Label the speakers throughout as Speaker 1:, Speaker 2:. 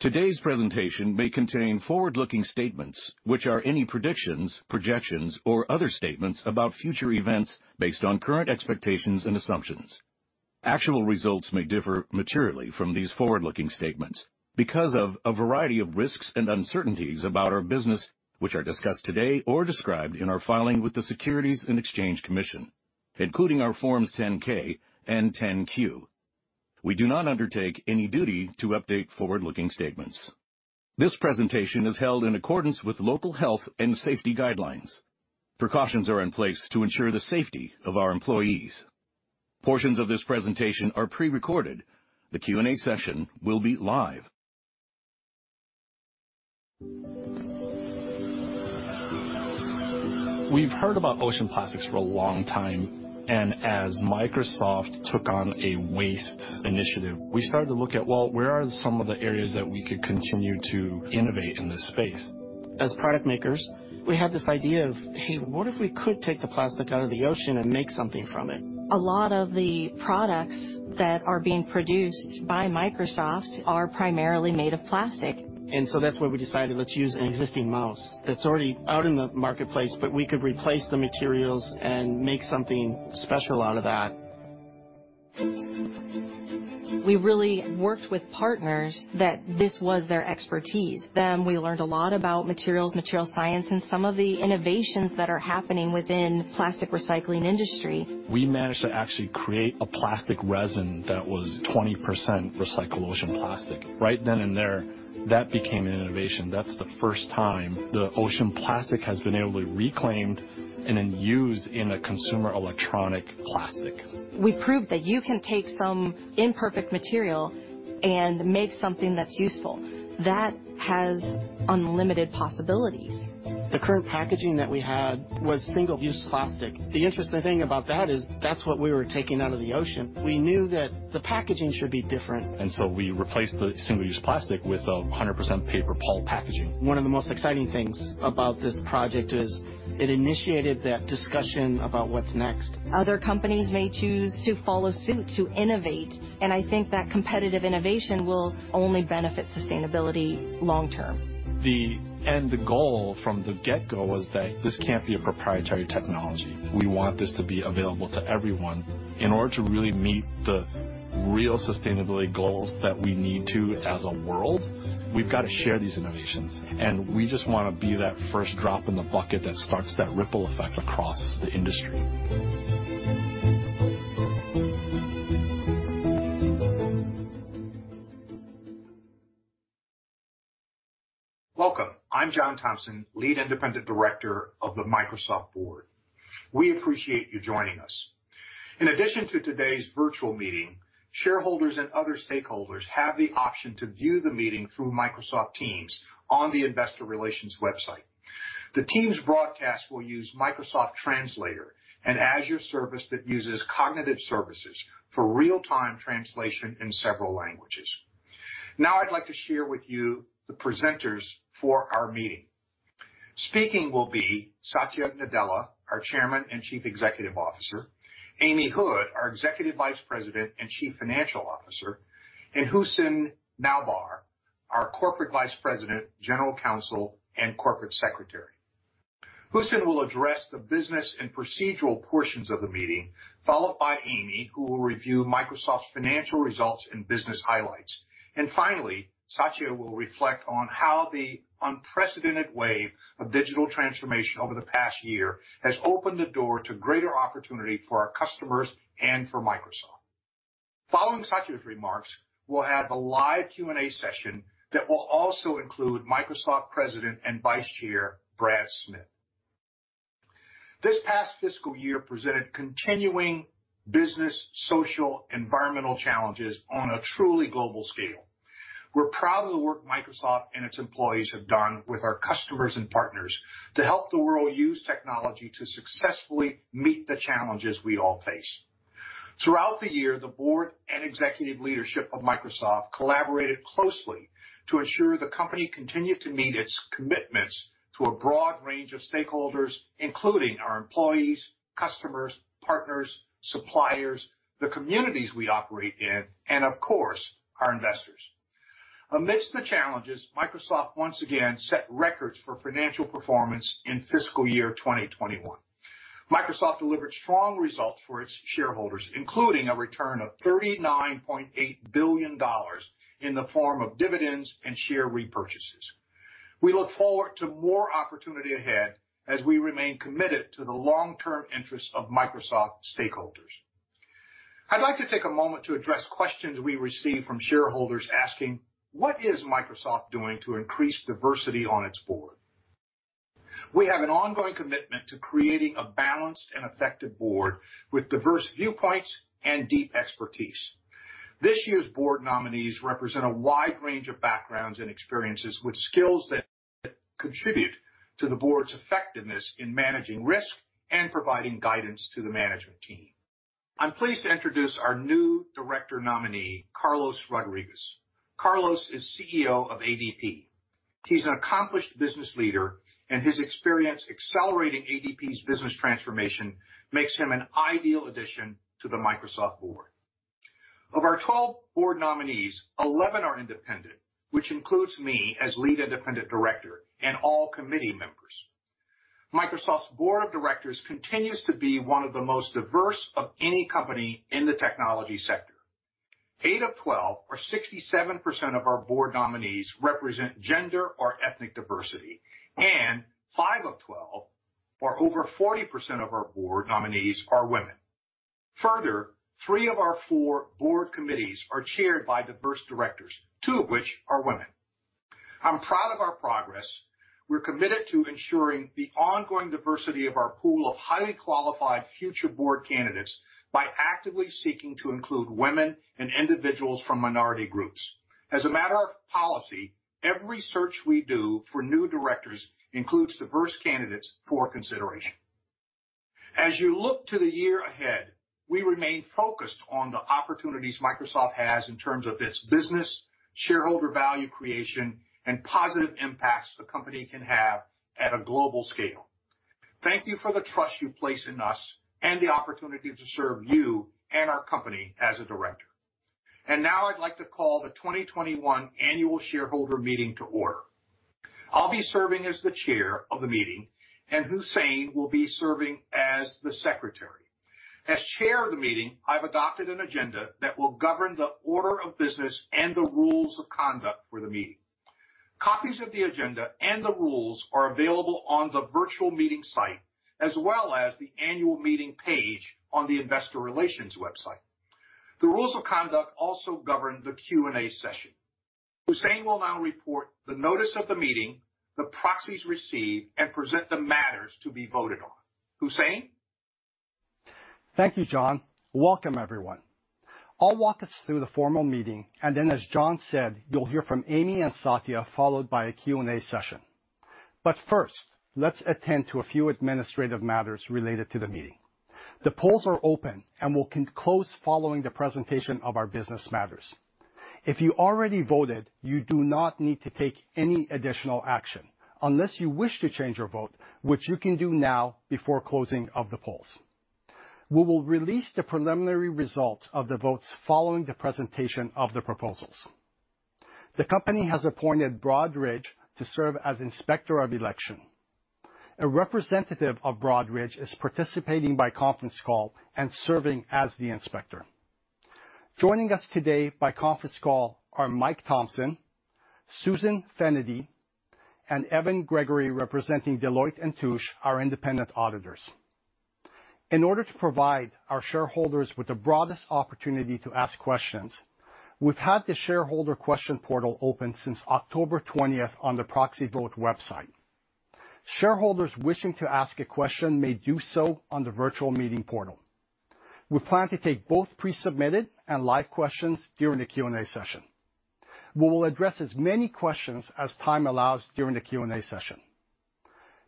Speaker 1: Today's presentation may contain forward-looking statements, which are any predictions, projections, or other statements about future events based on current expectations and assumptions. Actual results may differ materially from these forward-looking statements because of a variety of risks and uncertainties about our business, which are discussed today or described in our filing with the Securities and Exchange Commission, including our Forms 10-K and 10-Q. We do not undertake any duty to update forward-looking statements. This presentation is held in accordance with local health and safety guidelines. Precautions are in place to ensure the safety of our employees. Portions of this presentation are prerecorded. The Q&A session will be live.
Speaker 2: We've heard about ocean plastics for a long time, and as Microsoft took on a waste initiative, we started to look at, well, where are some of the areas that we could continue to innovate in this space?
Speaker 3: As product makers, we had this idea of, "Hey, what if we could take the plastic out of the ocean and make something from it?
Speaker 4: A lot of the products that are being produced by Microsoft are primarily made of plastic.
Speaker 3: That's where we decided, let's use an existing mouse that's already out in the marketplace, but we could replace the materials and make something special out of that.
Speaker 4: We really worked with partners that this was their expertise. We learned a lot about materials, material science, and some of the innovations that are happening within plastic recycling industry.
Speaker 2: We managed to actually create a plastic resin that was 20% recycled ocean plastic. Right then and there, that became an innovation. That's the first time the ocean plastic has been able to be reclaimed and then used in a consumer electronic plastic.
Speaker 4: We proved that you can take some imperfect material and make something that's useful. That has unlimited possibilities.
Speaker 3: The current packaging that we had was single-use plastic. The interesting thing about that is that's what we were taking out of the ocean. We knew that the packaging should be different.
Speaker 2: We replaced the single-use plastic with 100% paper pulp packaging.
Speaker 3: One of the most exciting things about this project is it initiated that discussion about what's next.
Speaker 4: Other companies may choose to follow suit to innovate, and I think that competitive innovation will only benefit sustainability long term.
Speaker 2: The end goal from the get-go was that this can't be a proprietary technology. We want this to be available to everyone. In order to really meet the real sustainability goals that we need to as a world, we've got to share these innovations, and we just wanna be that first drop in the bucket that starts that ripple effect across the industry.
Speaker 5: Welcome. I'm John Thompson, Lead Independent Director of the Microsoft board. We appreciate you joining us. In addition to today's virtual meeting, shareholders and other stakeholders have the option to view the meeting through Microsoft Teams on the investor relations website. The Teams broadcast will use Microsoft Translator, an Azure service that uses cognitive services for real-time translation in several languages. Now I'd like to share with you the presenters for our meeting. Speaking will be Satya Nadella, our Chairman and Chief Executive Officer, Amy Hood, our Executive Vice President and Chief Financial Officer, and Hossein Nowbar, our Corporate Vice President, General Counsel, and Corporate Secretary. Hossein will address the business and procedural portions of the meeting, followed by Amy, who will review Microsoft's financial results and business highlights. Finally, Satya will reflect on how the unprecedented wave of digital transformation over the past year has opened the door to greater opportunity for our customers and for Microsoft. Following Satya's remarks, we'll have a live Q&A session that will also include Microsoft President and Vice Chair, Brad Smith. This past fiscal year presented continuing business, social, environmental challenges on a truly global scale. We're proud of the work Microsoft and its employees have done with our customers and partners to help the world use technology to successfully meet the challenges we all face. Throughout the year, the board and executive leadership of Microsoft collaborated closely to ensure the company continued to meet its commitments to a broad range of stakeholders, including our employees, customers, partners, suppliers, the communities we operate in, and of course, our investors. Amidst the challenges, Microsoft once again set records for financial performance in fiscal year 2021. Microsoft delivered strong results for its shareholders, including a return of $39.8 billion in the form of dividends and share repurchases. We look forward to more opportunity ahead as we remain committed to the long-term interests of Microsoft stakeholders. I'd like to take a moment to address questions we received from shareholders asking, "What is Microsoft doing to increase diversity on its board?" We have an ongoing commitment to creating a balanced and effective board with diverse viewpoints and deep expertise. This year's board nominees represent a wide range of backgrounds and experiences with skills that contribute to the board's effectiveness in managing risk and providing guidance to the management team. I'm pleased to introduce our new director nominee, Carlos Rodriguez. Carlos Rodriguez is CEO of ADP. He's an accomplished business leader, and his experience accelerating ADP's business transformation makes him an ideal addition to the Microsoft board. Of our 12 board nominees, 11 are independent, which includes me as Lead Independent Director and all committee members. Microsoft's board of directors continues to be one of the most diverse of any company in the technology sector. Eight of 12, or 67% of our board nominees represent gender or ethnic diversity, and five of 12, or over 40% of our board nominees are women. Further, three of our four board committees are chaired by diverse directors, two of which are women. I'm proud of our progress. We're committed to ensuring the ongoing diversity of our pool of highly qualified future board candidates by actively seeking to include women and individuals from minority groups. As a matter of policy, every search we do for new directors includes diverse candidates for consideration. As you look to the year ahead, we remain focused on the opportunities Microsoft has in terms of its business, shareholder value creation, and positive impacts the company can have at a global scale. Thank you for the trust you place in us and the opportunity to serve you and our company as a director. Now I'd like to call the 2021 annual shareholder meeting to order. I'll be serving as the chair of the meeting, and Hossein will be serving as the secretary. As chair of the meeting, I've adopted an agenda that will govern the order of business and the rules of conduct for the meeting. Copies of the agenda and the rules are available on the virtual meeting site, as well as the annual meeting page on the investor relations website. The rules of conduct also govern the Q&A session. Hossein Nowbar will now report the notice of the meeting, the proxies received, and present the matters to be voted on. Hossein Nowbar.
Speaker 6: Thank you, John. Welcome everyone. I'll walk us through the formal meeting, and then, as John said, you'll hear from Amy and Satya, followed by a Q&A session. First, let's attend to a few administrative matters related to the meeting. The polls are open and will close following the presentation of our business matters. If you already voted, you do not need to take any additional action unless you wish to change your vote, which you can do now before closing of the polls. We will release the preliminary results of the votes following the presentation of the proposals. The company has appointed Broadridge to serve as Inspector of Election. A representative of Broadridge is participating by conference call and serving as the inspector. Joining us today by conference call are Mike Thompson, Susan Fennedy, and Evan Gregory, representing Deloitte & Touche, our independent auditors. In order to provide our shareholders with the broadest opportunity to ask questions, we've had the shareholder question portal open since October 20th on the proxy voting website. Shareholders wishing to ask a question may do so on the virtual meeting portal. We plan to take both pre-submitted and live questions during the Q&A session. We will address as many questions as time allows during the Q&A session.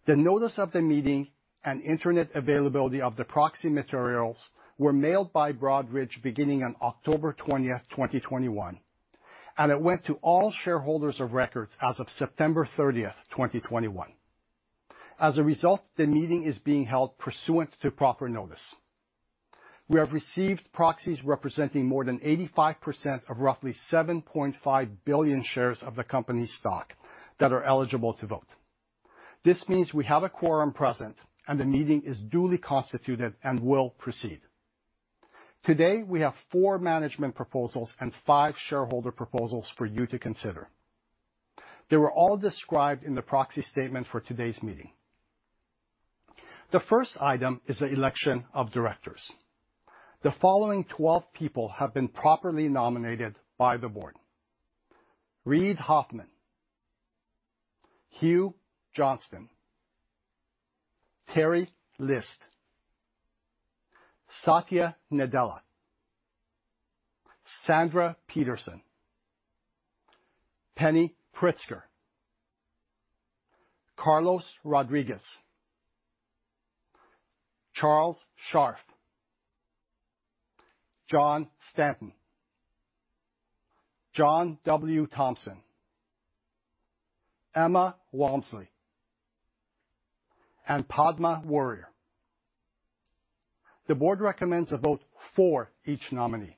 Speaker 6: The notice of the meeting and internet availability of the proxy materials were mailed by Broadridge beginning on October 20th, 2021, and it went to all shareholders of record as of September 30th, 2021. As a result, the meeting is being held pursuant to proper notice. We have received proxies representing more than 85% of roughly 7.5 billion shares of the company's stock that are eligible to vote. This means we have a quorum present, and the meeting is duly constituted and will proceed. Today, we have four management proposals and five shareholder proposals for you to consider. They were all described in the proxy statement for today's meeting. The first item is the election of directors. The following twelve people have been properly nominated by the board. Reid Hoffman, Hugh Johnston, Teri List, Satya Nadella, Sandra Peterson, Penny Pritzker, Carlos Rodriguez, Charles Scharf, John Stanton, John W. Thompson, Emma Walmsley, and Padma Warrior. The board recommends a vote for each nominee.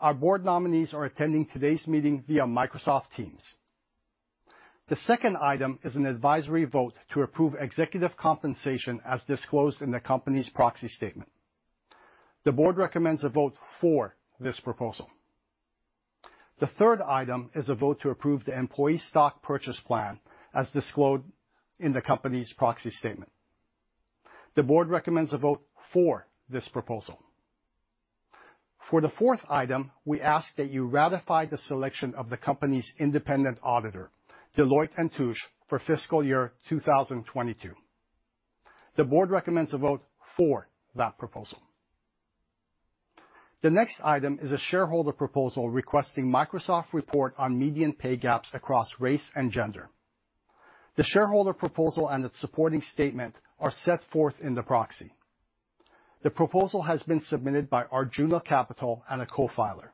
Speaker 6: Our board nominees are attending today's meeting via Microsoft Teams. The second item is an advisory vote to approve executive compensation as disclosed in the company's proxy statement. The board recommends a vote for this proposal. The third item is a vote to approve the employee stock purchase plan as disclosed in the company's proxy statement. The board recommends a vote for this proposal. For the fourth item, we ask that you ratify the selection of the company's independent auditor, Deloitte & Touche, for fiscal year 2022. The board recommends a vote for that proposal. The next item is a shareholder proposal requesting Microsoft report on median pay gaps across race and gender. The shareholder proposal and its supporting statement are set forth in the proxy. The proposal has been submitted by Arjuna Capital and a co-filer.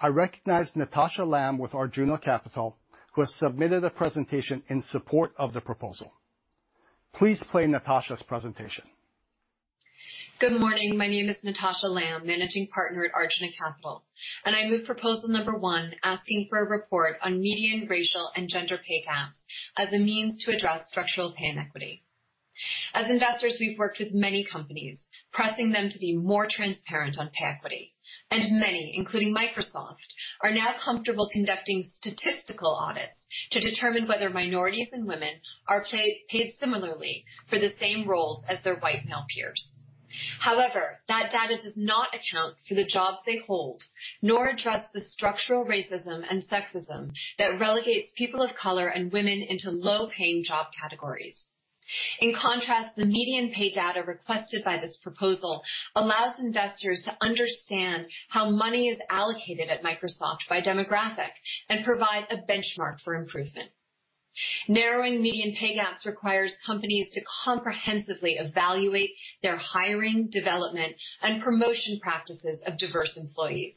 Speaker 6: I recognize Natasha Lamb with Arjuna Capital, who has submitted a presentation in support of the proposal. Please play Natasha's presentation.
Speaker 7: Good morning. My name is Natasha Lamb, Managing Partner at Arjuna Capital, and I move proposal number one asking for a report on median racial and gender pay gaps as a means to address structural pay inequity. As investors, we've worked with many companies pressing them to be more transparent on pay equity, and many, including Microsoft, are now comfortable conducting statistical audits to determine whether minorities and women are paid similarly for the same roles as their white male peers. However, that data does not account for the jobs they hold, nor address the structural racism and sexism that relegates people of color and women into low-paying job categories. In contrast, the median pay data requested by this proposal allows investors to understand how money is allocated at Microsoft by demographic and provide a benchmark for improvement. Narrowing median pay gaps requires companies to comprehensively evaluate their hiring, development, and promotion practices of diverse employees.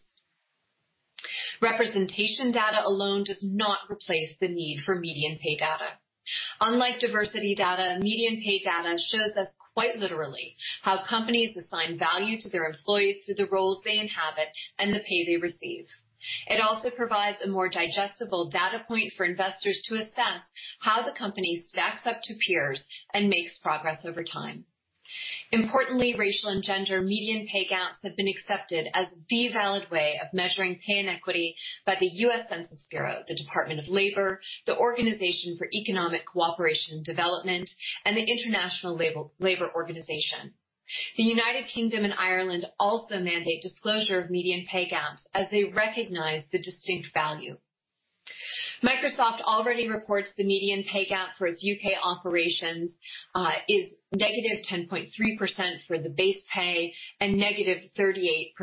Speaker 7: Representation data alone does not replace the need for median pay data. Unlike diversity data, median pay data shows us quite literally how companies assign value to their employees through the roles they inhabit and the pay they receive. It also provides a more digestible data point for investors to assess how the company stacks up to peers and makes progress over time. Importantly, racial and gender median pay gaps have been accepted as the valid way of measuring pay inequity by the U.S. Census Bureau, the U.S. Department of Labor, the Organisation for Economic Co-operation and Development, and the International Labour Organization. The United Kingdom and Ireland also mandate disclosure of median pay gaps as they recognize the distinct value. Microsoft already reports the median pay gap for its U.K. operations is -10.3% for the base pay and -38%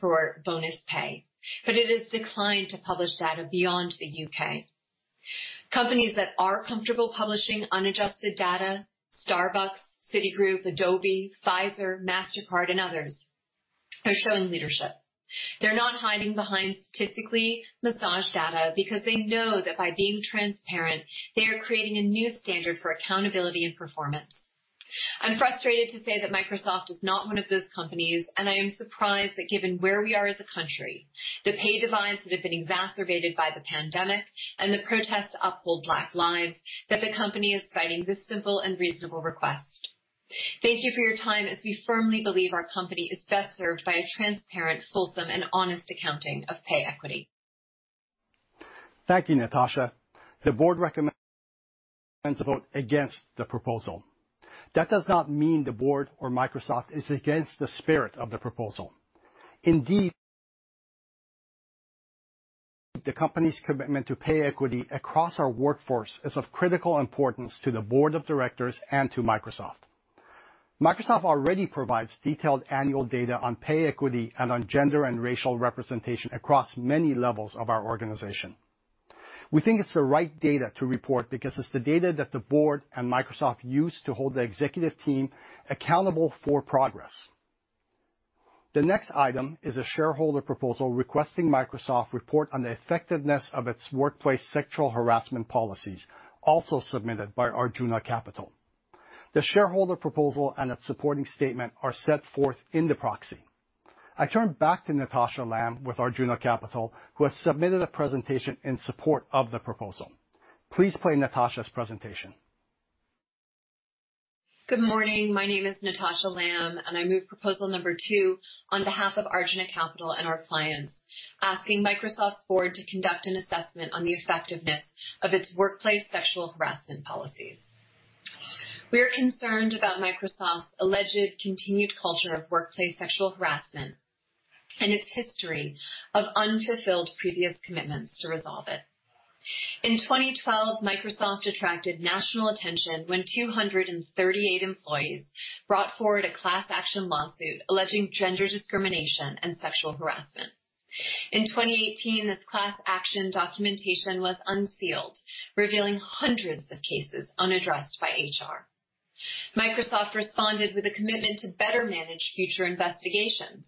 Speaker 7: for bonus pay. It has declined to publish data beyond the U.K. Companies that are comfortable publishing unadjusted data, Starbucks, Citigroup, Adobe, Pfizer, Mastercard, and others are showing leadership. They're not hiding behind statistically massaged data because they know that by being transparent, they are creating a new standard for accountability and performance. I'm frustrated to say that Microsoft is not one of those companies, and I am surprised that given where we are as a country, the pay divides that have been exacerbated by the pandemic and the protests to uphold Black lives, that the company is fighting this simple and reasonable request. Thank you for your time, as we firmly believe our company is best served by a transparent, fulsome, and honest accounting of pay equity.
Speaker 6: Thank you, Natasha. The Board recommends a vote against the proposal. That does not mean the Board or Microsoft is against the spirit of the proposal. Indeed, the company's commitment to pay equity across our workforce is of critical importance to the Board of Directors and to Microsoft. Microsoft already provides detailed annual data on pay equity and on gender and racial representation across many levels of our organization. We think it's the right data to report because it's the data that the Board and Microsoft use to hold the executive team accountable for progress. The next item is a shareholder proposal requesting Microsoft report on the effectiveness of its workplace sexual harassment policies, also submitted by Arjuna Capital. The shareholder proposal and its supporting statement are set forth in the proxy. I turn back to Natasha Lamb with Arjuna Capital, who has submitted a presentation in support of the proposal. Please play Natasha's presentation.
Speaker 7: Good morning. My name is Natasha Lamb, and I move proposal number two on behalf of Arjuna Capital and our clients, asking Microsoft's board to conduct an assessment on the effectiveness of its workplace sexual harassment policies. We are concerned about Microsoft's alleged continued culture of workplace sexual harassment and its history of unfulfilled previous commitments to resolve it. In 2012, Microsoft attracted national attention when 238 employees brought forward a class action lawsuit alleging gender discrimination and sexual harassment. In 2018, this class action documentation was unsealed, revealing hundreds of cases unaddressed by HR. Microsoft responded with a commitment to better manage future investigations.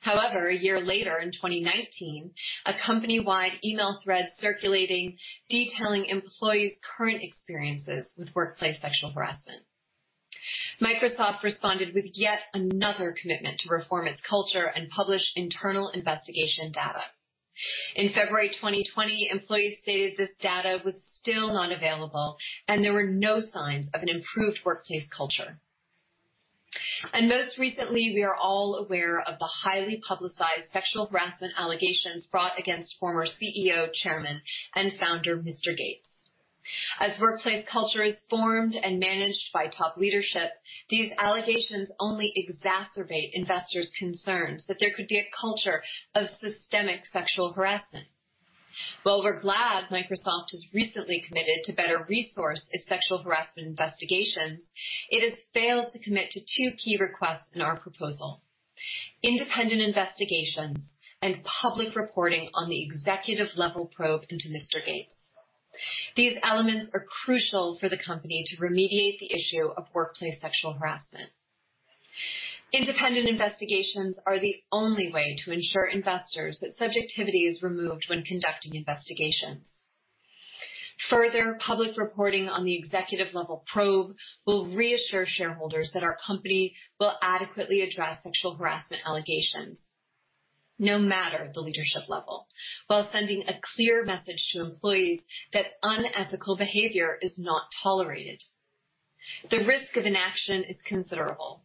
Speaker 7: However, a year later, in 2019, a company-wide email thread circulating, detailing employees' current experiences with workplace sexual harassment. Microsoft responded with yet another commitment to reform its culture and publish internal investigation data. In February 2020, employees stated this data was still not available, and there were no signs of an improved workplace culture. Most recently, we are all aware of the highly publicized sexual harassment allegations brought against former CEO, Chairman, and Founder, Mr. Gates. As workplace culture is formed and managed by top leadership, these allegations only exacerbate investors' concerns that there could be a culture of systemic sexual harassment. While we're glad Microsoft has recently committed to better resource its sexual harassment investigations, it has failed to commit to two key requests in our proposal. Independent investigation and public reporting on the executive level probe into Mr. Gates. These elements are crucial for the company to remediate the issue of workplace sexual harassment. Independent investigations are the only way to ensure investors that subjectivity is removed when conducting investigations. Further, public reporting on the executive level probe will reassure shareholders that our company will adequately address sexual harassment allegations, no matter the leadership level, while sending a clear message to employees that unethical behavior is not tolerated. The risk of inaction is considerable.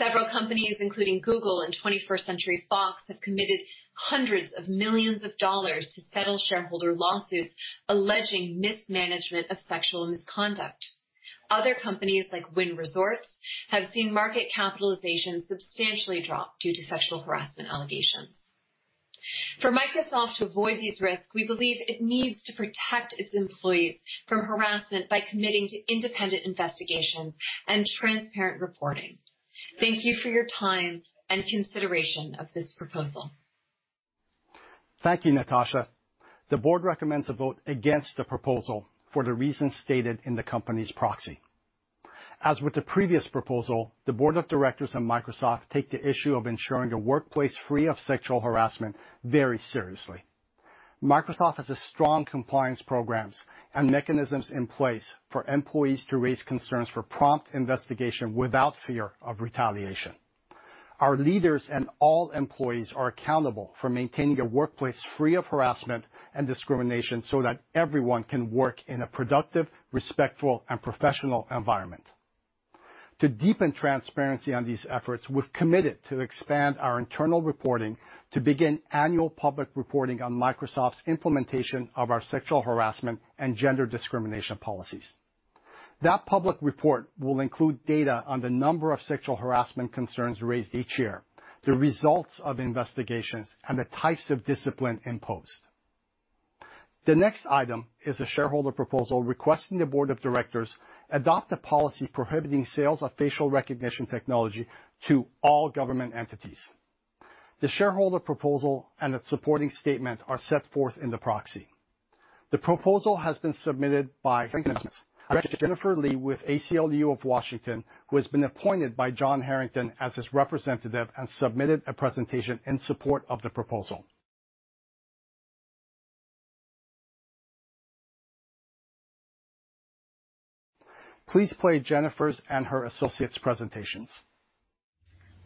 Speaker 7: Several companies, including Google and 21st Century Fox, have committed hundreds of millions of dollars to settle shareholder lawsuits alleging mismanagement of sexual misconduct. Other companies like Wynn Resorts have seen market capitalization substantially drop due to sexual harassment allegations. For Microsoft to avoid these risks, we believe it needs to protect its employees from harassment by committing to independent investigations and transparent reporting. Thank you for your time and consideration of this proposal.
Speaker 6: Thank you, Natasha. The board recommends a vote against the proposal for the reasons stated in the company's proxy. As with the previous proposal, the board of directors and Microsoft take the issue of ensuring a workplace free of sexual harassment very seriously. Microsoft has a strong compliance programs and mechanisms in place for employees to raise concerns for prompt investigation without fear of retaliation. Our leaders and all employees are accountable for maintaining a workplace free of harassment and discrimination so that everyone can work in a productive, respectful, and professional environment. To deepen transparency on these efforts, we've committed to expand our internal reporting to begin annual public reporting on Microsoft's implementation of our sexual harassment and gender discrimination policies. That public report will include data on the number of sexual harassment concerns raised each year, the results of investigations, and the types of discipline imposed. The next item is a shareholder proposal requesting the board of directors adopt a policy prohibiting sales of facial recognition technology to all government entities. The shareholder proposal and its supporting statement are set forth in the proxy. The proposal has been submitted by Jennifer Lee with ACLU of Washington, who has been appointed by John Harrington as his representative and submitted a presentation in support of the proposal. Please play Jennifer's and her associate's presentations.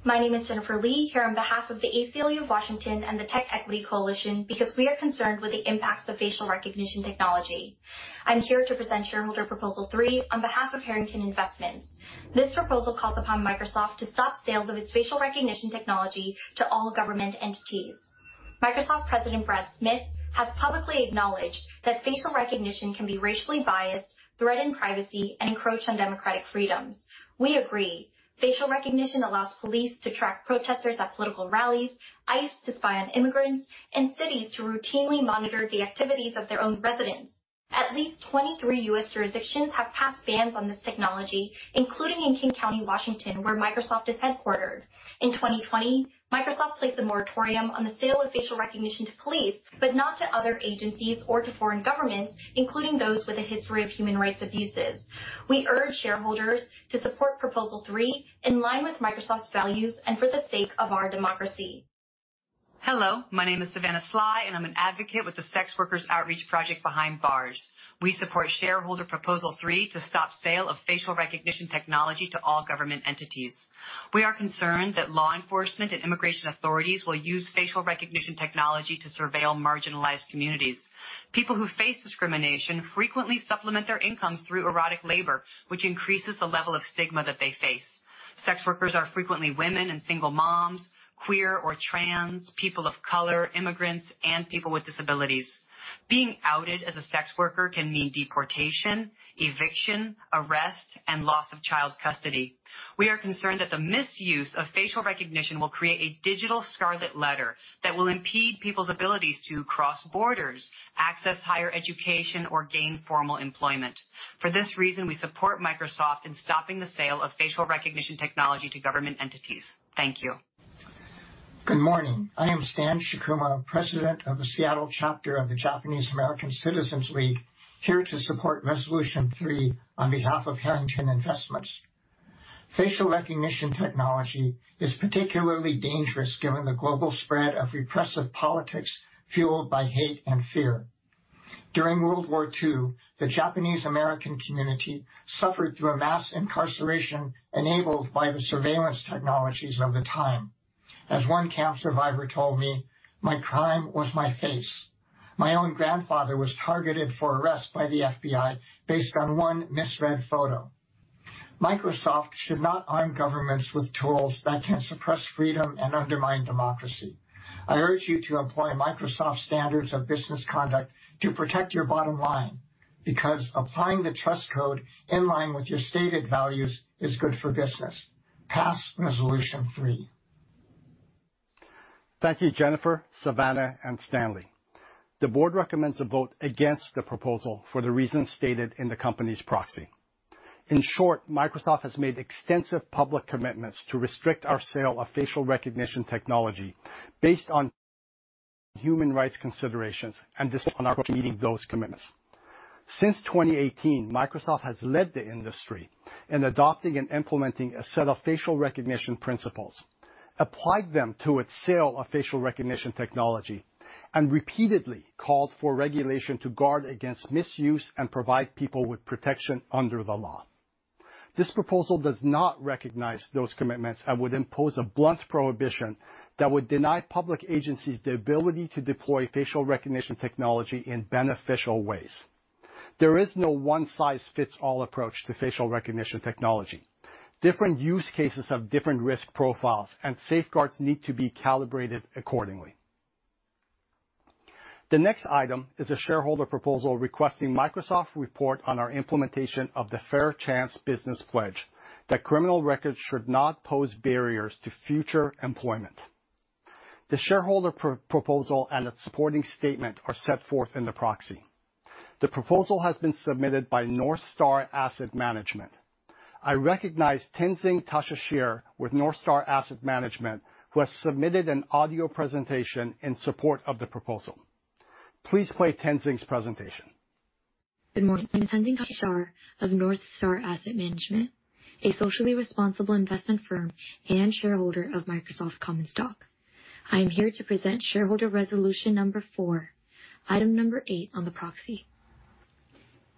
Speaker 8: My name is Jennifer Lee, here on behalf of the ACLU of Washington and the Tech Equity Coalition because we are concerned with the impacts of facial recognition technology. I'm here to present shareholder proposal three on behalf of Harrington Investments. This proposal calls upon Microsoft to stop sales of its facial recognition technology to all government entities. Microsoft President Brad Smith has publicly acknowledged that facial recognition can be racially biased, threaten privacy, and encroach on democratic freedoms. We agree. Facial recognition allows police to track protesters at political rallies, ICE to spy on immigrants, and cities to routinely monitor the activities of their own residents. At least 23 U.S. jurisdictions have passed bans on this technology, including in King County, Washington, where Microsoft is headquartered. In 2020, Microsoft placed a moratorium on the sale of facial recognition to police, but not to other agencies or to foreign governments, including those with a history of human rights abuses. We urge shareholders to support proposal three in line with Microsoft's values and for the sake of our democracy.
Speaker 9: Hello, my name is Savannah Sly, and I'm an advocate with the Sex Workers Outreach Project Behind Bars. We support shareholder proposal three to stop sale of facial recognition technology to all government entities. We are concerned that law enforcement and immigration authorities will use facial recognition technology to surveil marginalized communities. People who face discrimination frequently supplement their incomes through erotic labor, which increases the level of stigma that they face. Sex workers are frequently women and single moms, queer or trans, people of color, immigrants, and people with disabilities. Being outed as a sex worker can mean deportation, eviction, arrest, and loss of child custody. We are concerned that the misuse of facial recognition will create a digital scarlet letter that will impede people's abilities to cross borders, access higher education, or gain formal employment. For this reason, we support Microsoft in stopping the sale of facial recognition technology to government entities. Thank you.
Speaker 10: Good morning. I am Stan Shikuma, president of the Seattle Chapter of the Japanese American Citizens League, here to support resolution three on behalf of Harrington Investments. Facial recognition technology is particularly dangerous given the global spread of repressive politics fueled by hate and fear. During World War II, the Japanese American community suffered through a mass incarceration enabled by the surveillance technologies of the time. As one camp survivor told me, "My crime was my face." My own grandfather was targeted for arrest by the FBI based on one misread photo. Microsoft should not arm governments with tools that can suppress freedom and undermine democracy. I urge you to employ Microsoft's standards of business conduct to protect your bottom line, because applying the trust code in line with your stated values is good for business. Pass resolution three.
Speaker 6: Thank you, Jennifer, Savannah, and Stan. The board recommends a vote against the proposal for the reasons stated in the company's proxy. In short, Microsoft has made extensive public commitments to restrict our sale of facial recognition technology based on human rights considerations and is disciplined in meeting those commitments. Since 2018, Microsoft has led the industry in adopting and implementing a set of facial recognition principles, applied them to its sale of facial recognition technology and repeatedly called for regulation to guard against misuse and provide people with protection under the law. This proposal does not recognize those commitments and would impose a blunt prohibition that would deny public agencies the ability to deploy facial recognition technology in beneficial ways. There is no one-size-fits-all approach to facial recognition technology. Different use cases have different risk profiles and safeguards need to be calibrated accordingly. The next item is a shareholder proposal requesting Microsoft report on our implementation of the Fair Chance Business Pledge that criminal records should not pose barriers to future employment. The shareholder proposal and its supporting statement are set forth in the proxy. The proposal has been submitted by NorthStar Asset Management. I recognize Tenzing Tashishar with NorthStar Asset Management, who has submitted an audio presentation in support of the proposal. Please play Tenzing's presentation.
Speaker 11: Good morning. I'm Tenzing Tashishar of NorthStar Asset Management, a socially responsible investment firm and shareholder of Microsoft Common Stock. I am here to present shareholder resolution number four, item number eight on the proxy.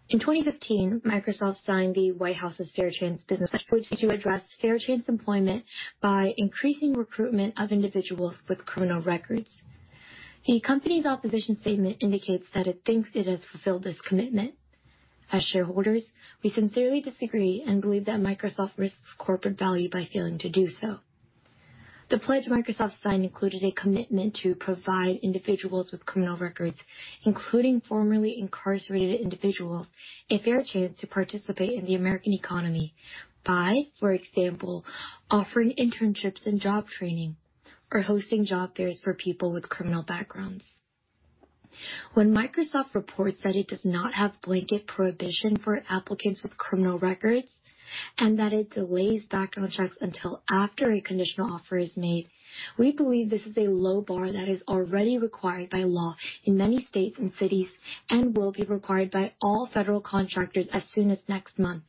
Speaker 11: In 2015, Microsoft signed the White House's Fair Chance Business Pledge to address fair chance employment by increasing recruitment of individuals with criminal records. The company's opposition statement indicates that it thinks it has fulfilled this commitment. As shareholders, we sincerely disagree and believe that Microsoft risks corporate value by failing to do so. The pledge Microsoft signed included a commitment to provide individuals with criminal records, including formerly incarcerated individuals, a fair chance to participate in the American economy by, for example, offering internships and job training or hosting job fairs for people with criminal backgrounds. When Microsoft reports that it does not have blanket prohibition for applicants with criminal records and that it delays background checks until after a conditional offer is made, we believe this is a low bar that is already required by law in many states and cities, and will be required by all federal contractors as soon as next month.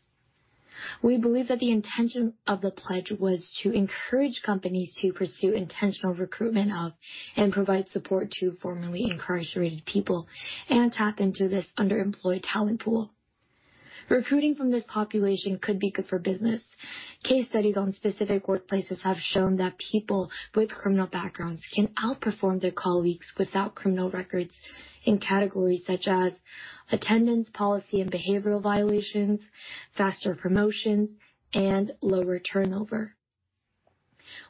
Speaker 11: We believe that the intention of the pledge was to encourage companies to pursue intentional recruitment of and provide support to formerly incarcerated people and tap into this underemployed talent pool. Recruiting from this population could be good for business. Case studies on specific workplaces have shown that people with criminal backgrounds can outperform their colleagues without criminal records in categories such as attendance, policy, and behavioral violations, faster promotions, and lower turnover.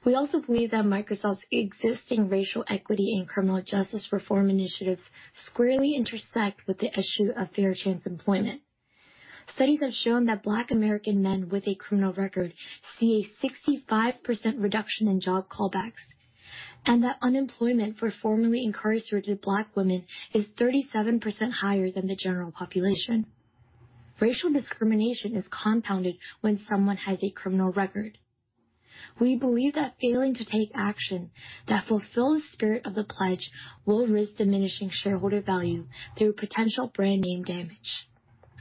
Speaker 11: We also believe that Microsoft's existing racial equity and criminal justice reform initiatives squarely intersect with the issue of fair chance employment. Studies have shown that Black American men with a criminal record see a 65% reduction in job callbacks, and that unemployment for formerly incarcerated Black women is 37% higher than the general population. Racial discrimination is compounded when someone has a criminal record. We believe that failing to take action that fulfills the spirit of the pledge will risk diminishing shareholder value through potential brand name damage.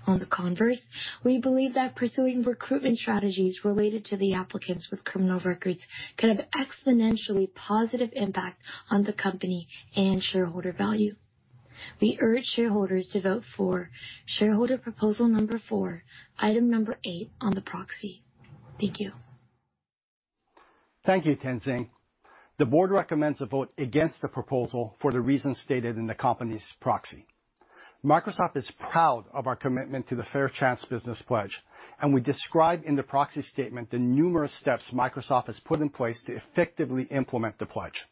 Speaker 11: On the converse, we believe that pursuing recruitment strategies related to the applicants with criminal records could have exponentially positive impact on the company and shareholder value. We urge shareholders to vote for shareholder proposal number four, item number eight on the proxy. Thank you.
Speaker 6: Thank you, Tenzing. The board recommends a vote against the proposal for the reasons stated in the company's proxy. Microsoft is proud of our commitment to the Fair Chance Business Pledge, and we describe in the proxy statement the numerous steps Microsoft has put in place to effectively implement the pledge.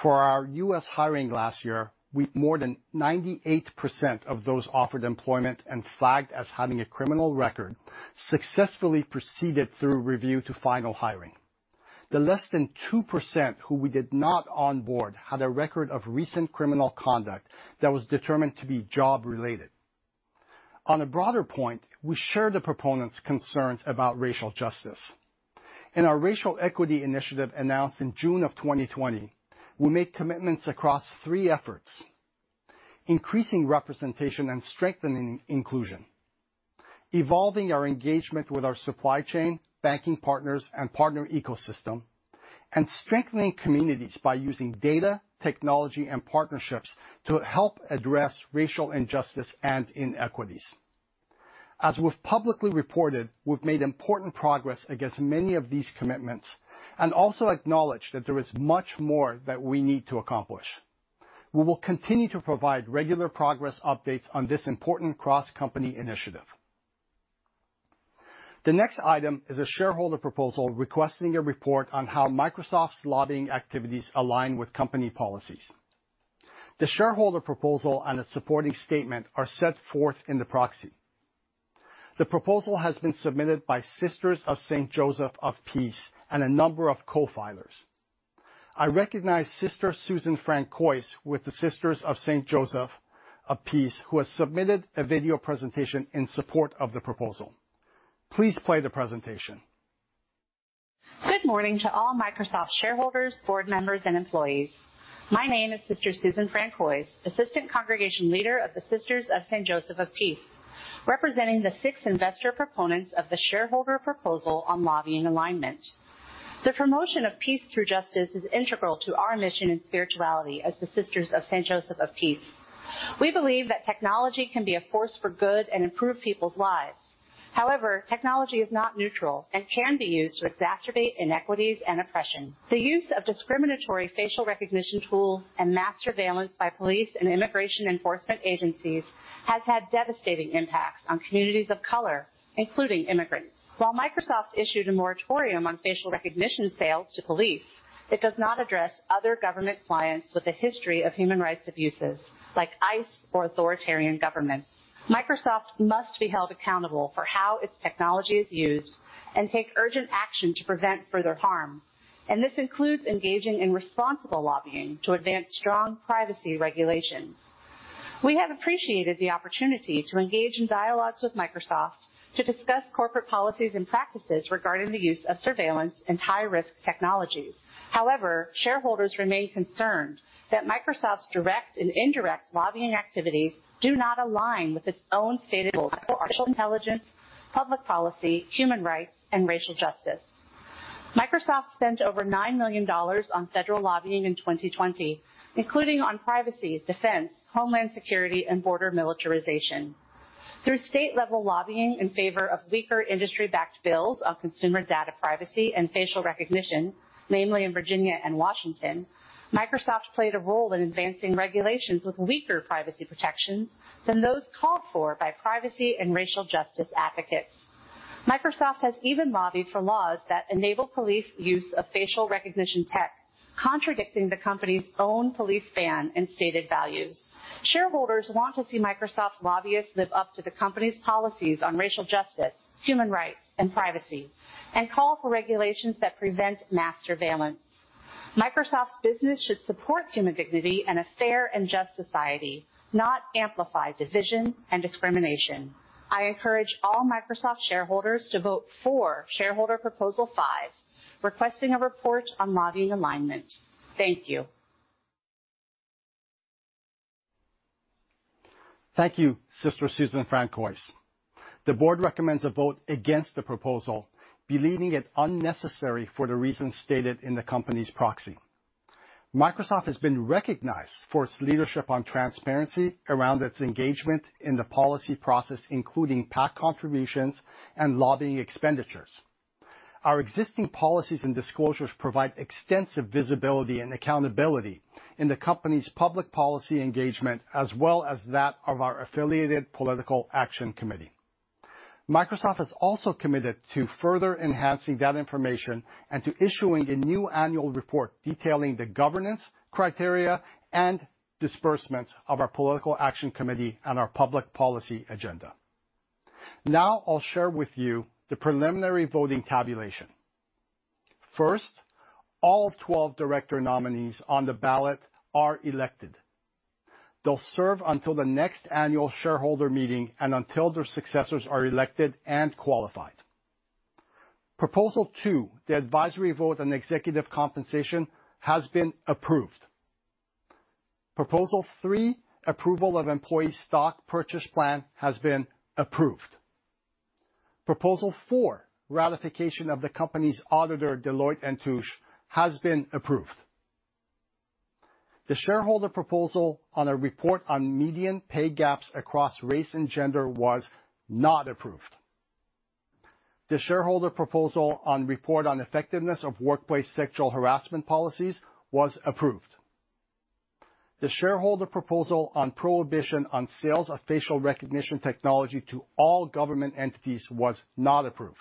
Speaker 6: For our U.S. hiring last year, more than 98% of those offered employment and flagged as having a criminal record successfully proceeded through review to final hiring. The less than 2% who we did not onboard had a record of recent criminal conduct that was determined to be job-related. On a broader point, we share the proponents' concerns about racial justice. In our racial equity initiative announced in June of 2020, we made commitments across three efforts: increasing representation and strengthening inclusion, evolving our engagement with our supply chain, banking partners, and partner ecosystem, and strengthening communities by using data, technology, and partnerships to help address racial injustice and inequities. As we've publicly reported, we've made important progress against many of these commitments and also acknowledge that there is much more that we need to accomplish. We will continue to provide regular progress updates on this important cross-company initiative. The next item is a shareholder proposal requesting a report on how Microsoft's lobbying activities align with company policies. The shareholder proposal and its supporting statement are set forth in the proxy. The proposal has been submitted by Sisters of St. Joseph of Peace and a number of co-filers. I recognize Sister Susan Francois with the Sisters of St. Joseph of Peace, who has submitted a video presentation in support of the proposal. Please play the presentation.
Speaker 12: Good morning to all Microsoft shareholders, board members, and employees. My name is Sister Susan Francois, Assistant Congregation Leader of the Sisters of St. Joseph of Peace, representing the six investor proponents of the shareholder proposal on lobbying alignment. The promotion of peace through justice is integral to our mission and spirituality as the Sisters of St. Joseph of Peace. We believe that technology can be a force for good and improve people's lives. However, technology is not neutral and can be used to exacerbate inequities and oppression. The use of discriminatory facial recognition tools and mass surveillance by police and immigration enforcement agencies has had devastating impacts on communities of color, including immigrants. While Microsoft issued a moratorium on facial recognition sales to police, it does not address other government clients with a history of human rights abuses like ICE or authoritarian governments. Microsoft must be held accountable for how its technology is used and take urgent action to prevent further harm, and this includes engaging in responsible lobbying to advance strong privacy regulations. We have appreciated the opportunity to engage in dialogues with Microsoft to discuss corporate policies and practices regarding the use of surveillance and high-risk technologies. However, shareholders remain concerned that Microsoft's direct and indirect lobbying activities do not align with its own stated goals for artificial intelligence, public policy, human rights, and racial justice. Microsoft spent over $9 million on federal lobbying in 2020, including on privacy, defense, homeland security, and border militarization. Through state-level lobbying in favor of weaker industry-backed bills on consumer data privacy and facial recognition, mainly in Virginia and Washington, Microsoft played a role in advancing regulations with weaker privacy protections than those called for by privacy and racial justice advocates. Microsoft has even lobbied for laws that enable police use of facial recognition tech, contradicting the company's own police ban and stated values. Shareholders want to see Microsoft's lobbyists live up to the company's policies on racial justice, human rights, and privacy, and call for regulations that prevent mass surveillance. Microsoft's business should support human dignity and a fair and just society, not amplify division and discrimination. I encourage all Microsoft shareholders to vote for Shareholder Proposal Five, requesting a report on lobbying alignment. Thank you.
Speaker 6: Thank you, Sister Susan Francois. The board recommends a vote against the proposal, believing it unnecessary for the reasons stated in the company's proxy. Microsoft has been recognized for its leadership on transparency around its engagement in the policy process, including PAC contributions and lobbying expenditures. Our existing policies and disclosures provide extensive visibility and accountability in the company's public policy engagement, as well as that of our affiliated political action committee. Microsoft has also committed to further enhancing that information and to issuing a new annual report detailing the governance criteria and disbursements of our political action committee and our public policy agenda. Now I'll share with you the preliminary voting tabulation. First, all 12 director nominees on the ballot are elected. They'll serve until the next annual shareholder meeting and until their successors are elected and qualified. Proposal two, the advisory vote on executive compensation has been approved. Proposal three, approval of employee stock purchase plan has been approved. Proposal four, ratification of the company's auditor, Deloitte & Touche, has been approved. The shareholder proposal on a report on median pay gaps across race and gender was not approved. The shareholder proposal on report on effectiveness of workplace sexual harassment policies was approved. The shareholder proposal on prohibition on sales of facial recognition technology to all government entities was not approved.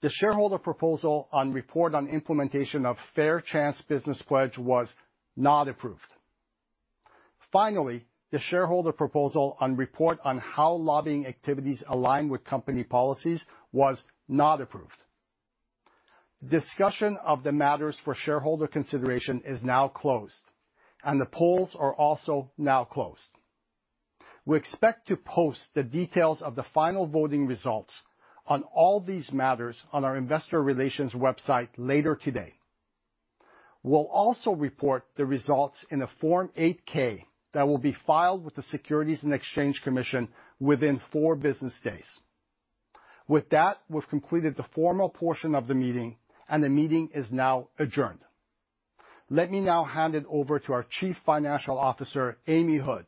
Speaker 6: The shareholder proposal on report on implementation of Fair Chance Business Pledge was not approved. Finally, the shareholder proposal on report on how lobbying activities align with company policies was not approved. Discussion of the matters for shareholder consideration is now closed, and the polls are also now closed. We expect to post the details of the final voting results on all these matters on our investor relations website later today. We'll also report the results in a Form 8-K that will be filed with the Securities and Exchange Commission within 4 business days. With that, we've completed the formal portion of the meeting, and the meeting is now adjourned. Let me now hand it over to our Chief Financial Officer, Amy Hood.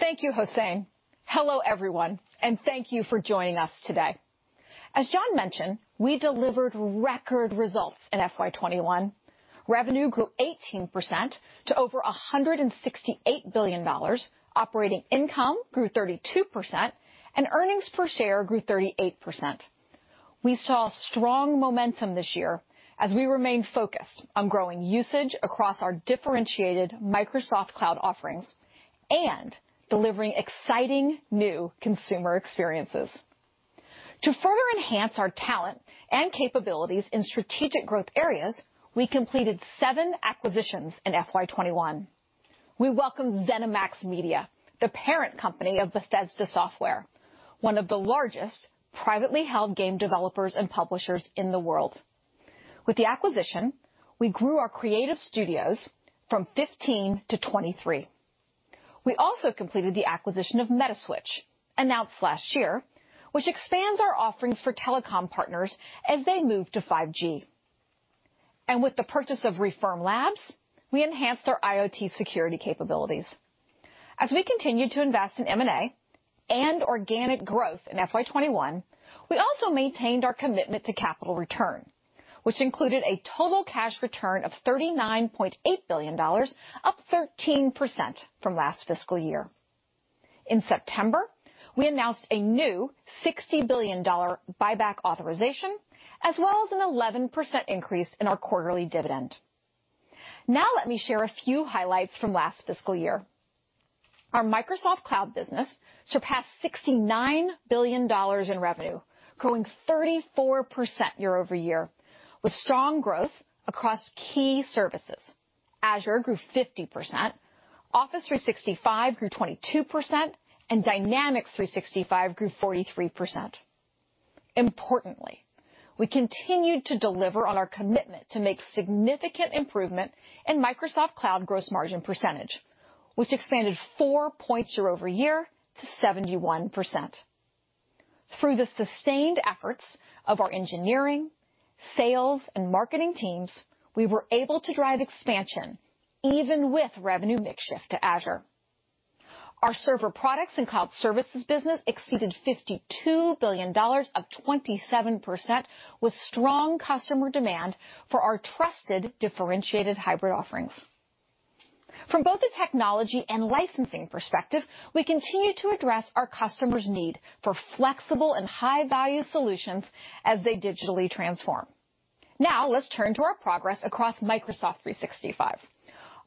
Speaker 13: Thank you, Hossein. Hello everyone and thank you for joining us today. As John mentioned, we delivered record results in FY 2021. Revenue grew 18% to over $168 billion. Operating income grew 32%, and earnings per share grew 38%. We saw strong momentum this year as we remain focused on growing usage across our differentiated Microsoft Cloud offerings and delivering exciting new consumer experiences. To further enhance our talent and capabilities in strategic growth areas, we completed seven acquisitions in FY 2021. We welcomed ZeniMax Media, the parent company of Bethesda Softworks, one of the largest privately held game developers and publishers in the world. With the acquisition, we grew our creative studios from 15-23. We also completed the acquisition of Metaswitch, announced last year, which expands our offerings for telecom partners as they move to 5G. With the purchase of ReFirm Labs, we enhanced our IoT security capabilities. As we continued to invest in M&A and organic growth in FY 2021, we also maintained our commitment to capital return, which included a total cash return of $39.8 billion, up 13% from last fiscal year. In September, we announced a new $60 billion buyback authorization, as well as an 11% increase in our quarterly dividend. Now let me share a few highlights from last fiscal year. Our Microsoft Cloud business surpassed $69 billion in revenue, growing 34% year-over-year, with strong growth across key services. Azure grew 50%, Office 365 grew 22%, and Dynamics 365 grew 43%. Importantly, we continued to deliver on our commitment to make significant improvement in Microsoft Cloud gross margin percentage, which expanded four points year-over-year to 71%. Through the sustained efforts of our engineering, sales, and marketing teams, we were able to drive expansion even with revenue mix shift to Azure. Our server products and cloud services business exceeded $52 billion, up 27%, with strong customer demand for our trusted, differentiated hybrid offerings. From both a technology and licensing perspective, we continue to address our customers' need for flexible and high-value solutions as they digitally transform. Now, let's turn to our progress across Microsoft 365.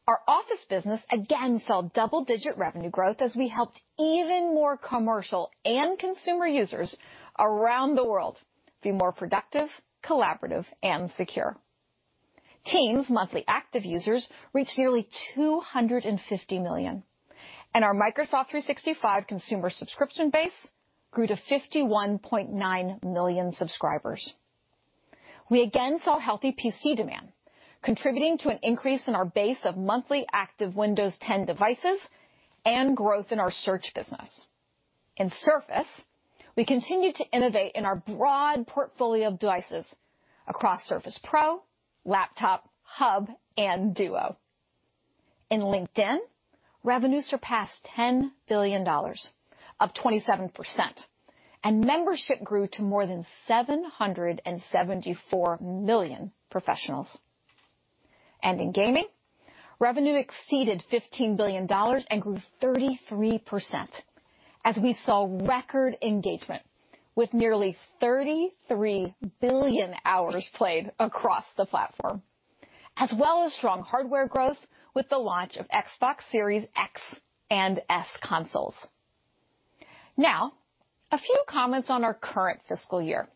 Speaker 13: Our Office business again saw double-digit revenue growth as we helped even more commercial and consumer users around the world be more productive, collaborative, and secure. Teams monthly active users reached nearly 250 million, and our Microsoft 365 consumer subscription base grew to 51.9 million subscribers. We again saw healthy PC demand contributing to an increase in our base of monthly active Windows 10 devices and growth in our search business. In Surface, we continue to innovate in our broad portfolio of devices across Surface Pro, Laptop, Hub, and Duo. In LinkedIn, revenue surpassed $10 billion, up 27%, and membership grew to more than 774 million professionals. In gaming, revenue exceeded $15 billion and grew 33% as we saw record engagement with nearly 33 billion hours played across the platform, as well as strong hardware growth with the launch of Xbox Series X and S consoles. Now, a few comments on our current fiscal year.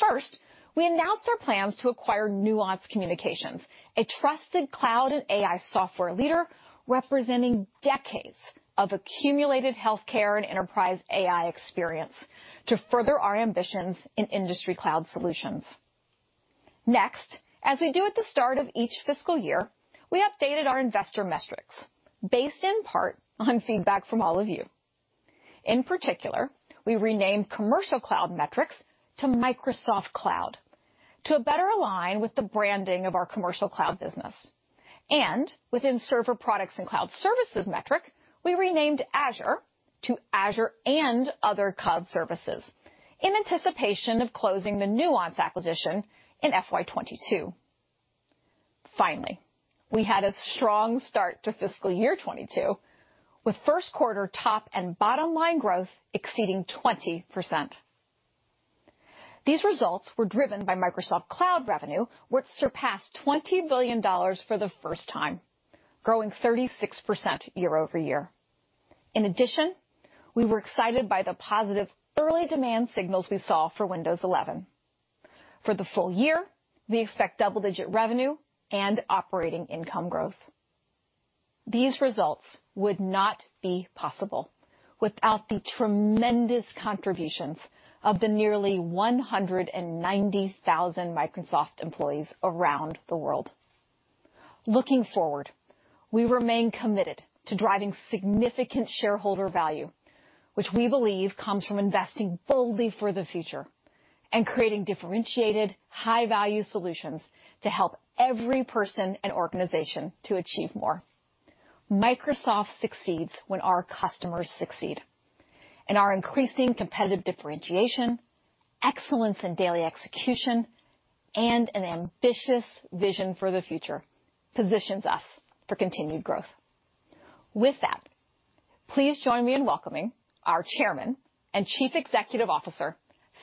Speaker 13: First, we announced our plans to acquire Nuance Communications, a trusted cloud and AI software leader representing decades of accumulated healthcare and enterprise AI experience to further our ambitions in industry cloud solutions. Next, as we do at the start of each fiscal year, we updated our investor metrics based in part on feedback from all of you. In particular, we renamed commercial cloud metrics to Microsoft Cloud to better align with the branding of our commercial cloud business. Within server products and cloud services metric, we renamed Azure to Azure and other cloud services in anticipation of closing the Nuance acquisition in FY 2022. Finally, we had a strong start to fiscal year 2022 with first quarter top and bottom-line growth exceeding 20%. These results were driven by Microsoft Cloud revenue, which surpassed $20 billion for the first time, growing 36% year-over-year. In addition, we were excited by the positive early demand signals we saw for Windows 11. For the full year, we expect double-digit revenue and operating income growth. These results would not be possible without the tremendous contributions of the nearly 190,000 Microsoft employees around the world. Looking forward, we remain committed to driving significant shareholder value, which we believe comes from investing boldly for the future and creating differentiated high-value solutions to help every person and organization to achieve more. Microsoft succeeds when our customers succeed, and our increasing competitive differentiation, excellence in daily execution, and an ambitious vision for the future positions us for continued growth. With that, please join me in welcoming our Chairman and Chief Executive Officer,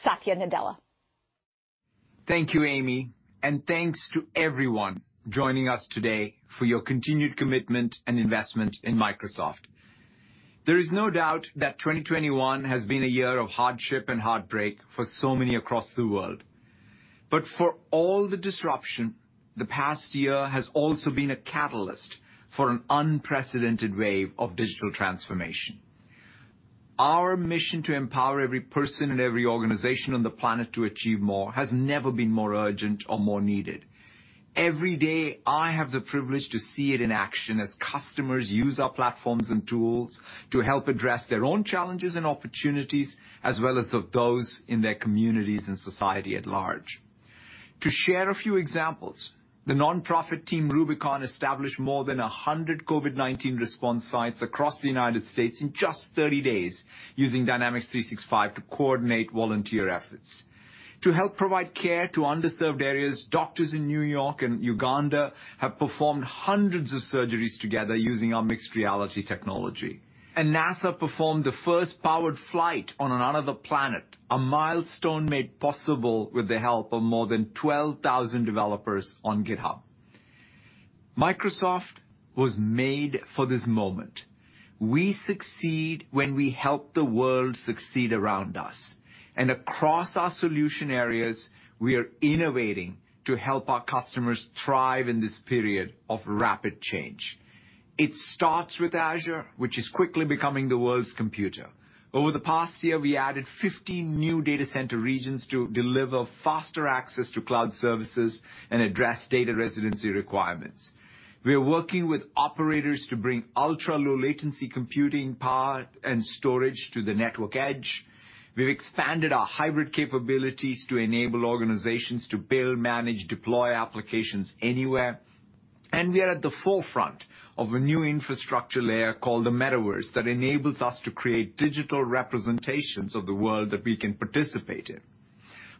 Speaker 13: Satya Nadella.
Speaker 14: Thank you, Amy. Thanks to everyone joining us today for your continued commitment and investment in Microsoft. There is no doubt that 2021 has been a year of hardship and heartbreak for so many across the world. For all the disruption, the past year has also been a catalyst for an unprecedented wave of digital transformation. Our mission to empower every person and every organization on the planet to achieve more has never been more urgent or more needed. Every day, I have the privilege to see it in action as customers use our platforms and tools to help address their own challenges and opportunities, as well as those in their communities and society at large. To share a few examples, the nonprofit Team Rubicon established more than 100 COVID-19 response sites across the United States in just 30 days using Dynamics 365 to coordinate volunteer efforts. To help provide care to underserved areas, doctors in New York and Uganda have performed hundreds of surgeries together using our mixed reality technology. NASA performed the first powered flight on another planet, a milestone made possible with the help of more than 12,000 developers on GitHub. Microsoft was made for this moment. We succeed when we help the world succeed around us. Across our solution areas, we are innovating to help our customers thrive in this period of rapid change. It starts with Azure, which is quickly becoming the world's computer. Over the past year, we added 50 new data center regions to deliver faster access to cloud services and address data residency requirements. We are working with operators to bring ultra-low latency computing power and storage to the network edge. We've expanded our hybrid capabilities to enable organizations to build, manage, deploy applications anywhere. We are at the forefront of a new infrastructure layer called the metaverse that enables us to create digital representations of the world that we can participate in.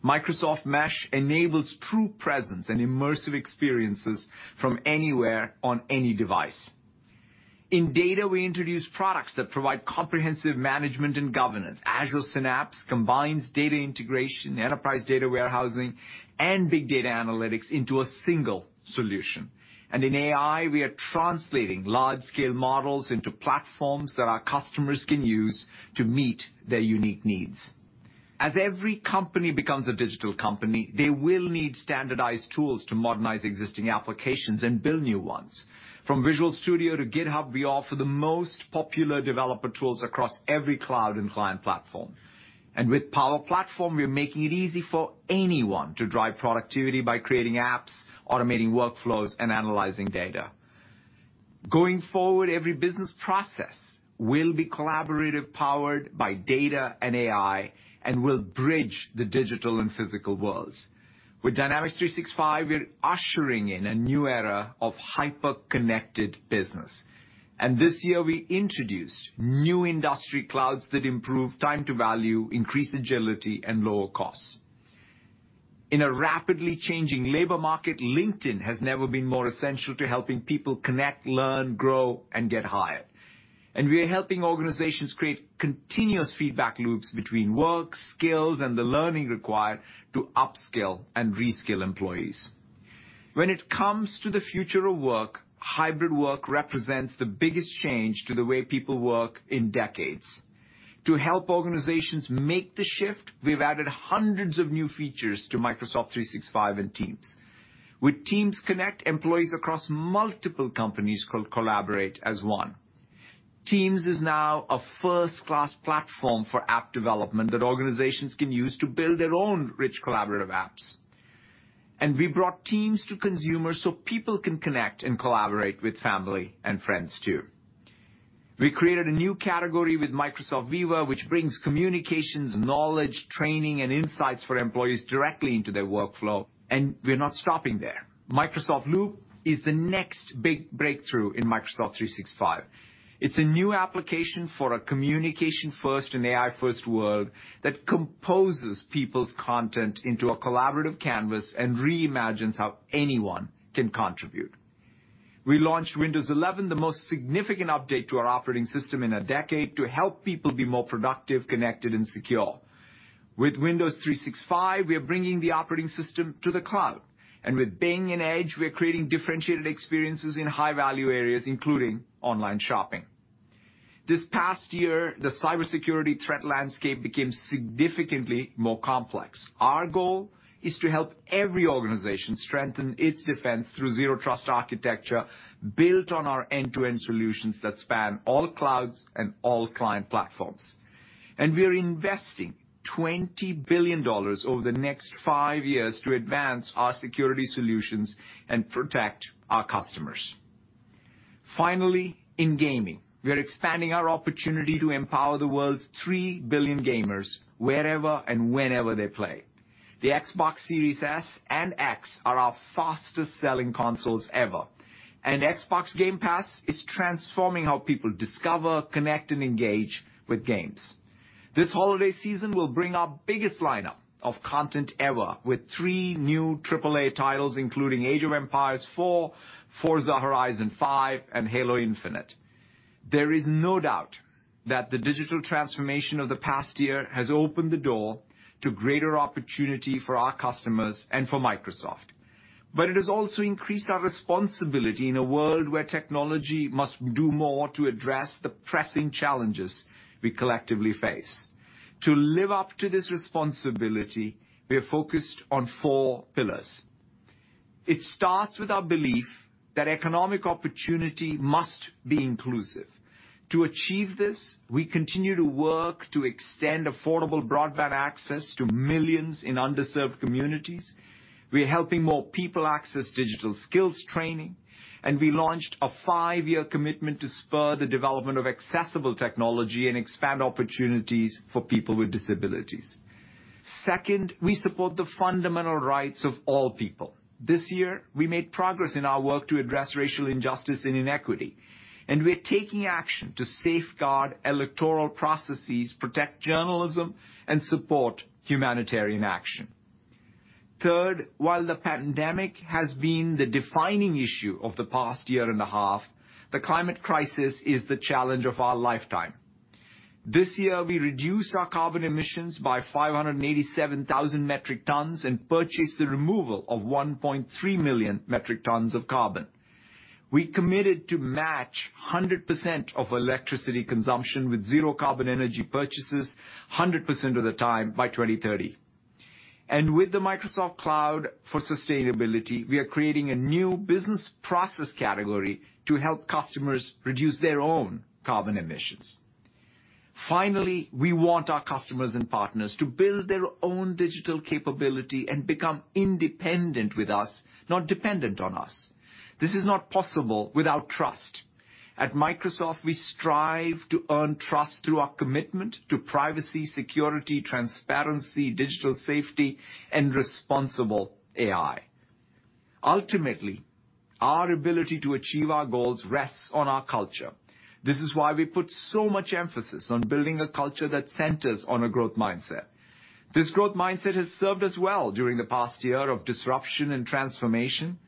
Speaker 14: Microsoft Mesh enables true presence and immersive experiences from anywhere on any device. In data, we introduce products that provide comprehensive management and governance. Azure Synapse combines data integration, enterprise data warehousing, and big data analytics into a single solution. In AI, we are translating large-scale models into platforms that our customers can use to meet their unique needs. As every company becomes a digital company, they will need standardized tools to modernize existing applications and build new ones. From Visual Studio to GitHub, we offer the most popular developer tools across every cloud and client platform. With Power Platform, we are making it easy for anyone to drive productivity by creating apps, automating workflows, and analyzing data. Going forward, every business process will be collaborative, powered by data and AI, and will bridge the digital and physical worlds. With Dynamics 365, we're ushering in a new era of hyper-connected business. This year, we introduced new industry clouds that improve time to value, increase agility, and lower costs. In a rapidly changing labor market, LinkedIn has never been more essential to helping people connect, learn, grow, and get hired. We are helping organizations create continuous feedback loops between work, skills, and the learning required to upskill and reskill employees. When it comes to the future of work, hybrid work represents the biggest change to the way people work in decades. To help organizations make the shift, we've added hundreds of new features to Microsoft 365 and Teams. With Teams, companies can connect employees across multiple companies to collaborate as one. Teams is now a first-class platform for app development that organizations can use to build their own rich collaborative apps. We brought Teams to consumers so people can connect and collaborate with family and friends too. We created a new category with Microsoft Viva, which brings communications, knowledge, training, and insights for employees directly into their workflow, and we're not stopping there. Microsoft Loop is the next big breakthrough in Microsoft 365. It's a new application for a communication-first and AI-first world that composes people's content into a collaborative canvas and reimagines how anyone can contribute. We launched Windows 11, the most significant update to our operating system in a decade, to help people be more productive, connected, and secure. With Windows 365, we are bringing the operating system to the cloud. With Bing and Edge, we are creating differentiated experiences in high-value areas, including online shopping. This past year, the cybersecurity threat landscape became significantly more complex. Our goal is to help every organization strengthen its defense through zero trust architecture built on our end-to-end solutions that span all clouds and all client platforms. We're investing $20 billion over the next five years to advance our security solutions and protect our customers. Finally, in gaming, we are expanding our opportunity to empower the world's 3 billion gamers wherever and whenever they play. The Xbox Series S and X are our fastest-selling consoles ever. Xbox Game Pass is transforming how people discover, connect, and engage with games. This holiday season will bring our biggest lineup of content ever with three new triple A titles, including Age of Empires IV, Forza Horizon 5, and Halo Infinite. There is no doubt that the digital transformation of the past year has opened the door to greater opportunity for our customers and for Microsoft. But it has also increased our responsibility in a world where technology must do more to address the pressing challenges we collectively face. To live up to this responsibility, we are focused on four pillars. It starts with our belief that economic opportunity must be inclusive. To achieve this, we continue to work to extend affordable broadband access to millions in underserved communities. We are helping more people access digital skills training, and we launched a five-year commitment to spur the development of accessible technology and expand opportunities for people with disabilities. Second, we support the fundamental rights of all people. This year, we made progress in our work to address racial injustice and inequity, and we're taking action to safeguard electoral processes, protect journalism, and support humanitarian action. Third, while the pandemic has been the defining issue of the past year and a half, the climate crisis is the challenge of our lifetime. This year, we reduced our carbon emissions by 587,000 metric tons and purchased the removal of 1.3 million metric tons of carbon. We committed to match 100% of electricity consumption with zero carbon energy purchases 100% of the time by 2030. With the Microsoft Cloud for Sustainability, we are creating a new business process category to help customers reduce their own carbon emissions. Finally, we want our customers and partners to build their own digital capability and become independent with us, not dependent on us. This is not possible without trust. At Microsoft, we strive to earn trust through our commitment to privacy, security, transparency, digital safety, and responsible AI. Ultimately, our ability to achieve our goals rests on our culture. This is why we put so much emphasis on building a culture that centers on a growth mindset. This growth mindset has served us well during the past year of disruption and transformation.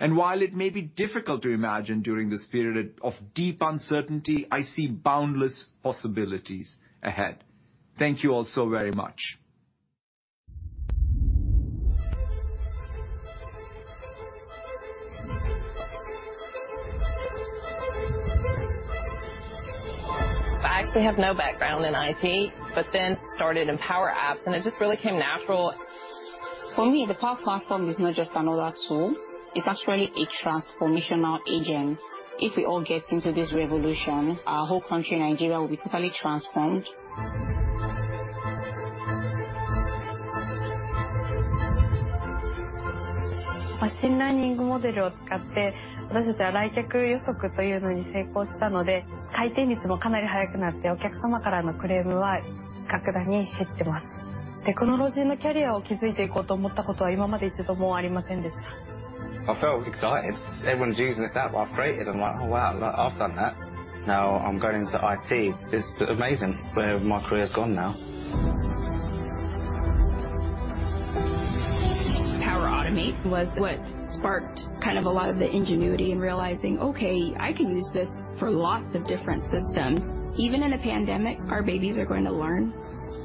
Speaker 14: While it may be difficult to imagine during this period of deep uncertainty, I see boundless possibilities ahead. Thank you all so very much.
Speaker 4: I actually have no background in IT, but then started in Power Apps, and it just really came natural.
Speaker 15: For me, the Power Platform is not just another tool. It's actually a transformational agent. If we all get into this revolution, our whole country, Nigeria, will be totally transformed.
Speaker 16: I felt excited. Everyone's using this app I've created. I'm like, "Oh, wow, I've done that." Now I'm going into IT. It's amazing where my career's gone now.
Speaker 17: Power Automate was what sparked kind of a lot of the ingenuity and realizing, okay, I can use this for lots of different systems. Even in a pandemic, our babies are going to learn.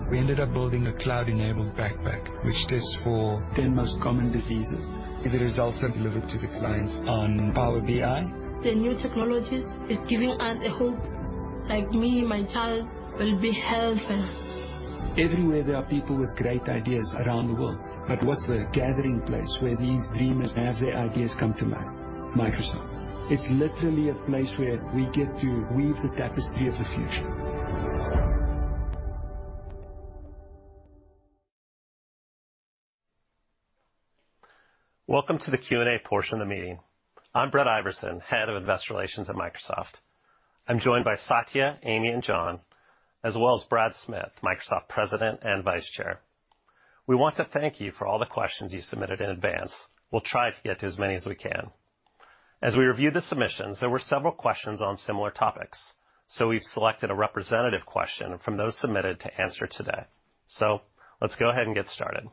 Speaker 18: We ended up building a cloud-enabled backpack, which tests for 10 most common diseases. The results are delivered to the clients on Power BI.
Speaker 2: The new technologies is giving us a hope. Like me, my child will be healthy.
Speaker 18: Everywhere there are people with great ideas around the world. What's the gathering place where these dreamers have their ideas come to life? Microsoft. It's literally a place where we get to weave the tapestry of the future.
Speaker 1: Welcome to the Q&A portion of the meeting. I'm Brett Iversen, Head of Investor Relations at Microsoft. I'm joined by Satya, Amy, and John, as well as Brad Smith, Microsoft President and Vice Chair. We want to thank you for all the questions you submitted in advance. We'll try to get to as many as we can. As we reviewed the submissions, there were several questions on similar topics. We've selected a representative question from those submitted to answer today. Let's go ahead and get started.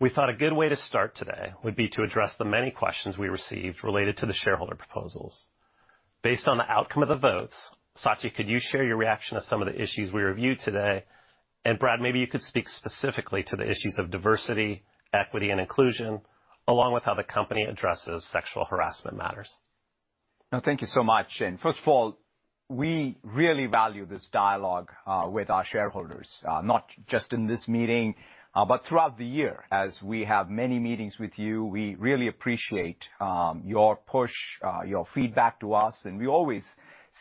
Speaker 1: We thought a good way to start today would be to address the many questions we received related to the shareholder proposals. Based on the outcome of the votes, Satya, could you share your reaction to some of the issues we reviewed today? Brad Smith, maybe you could speak specifically to the issues of diversity, equity, and inclusion, along with how the company addresses sexual harassment matters.
Speaker 14: No, thank you so much. First of all, we really value this dialogue with our shareholders, not just in this meeting, but throughout the year. As we have many meetings with you, we really appreciate your push, your feedback to us, and we always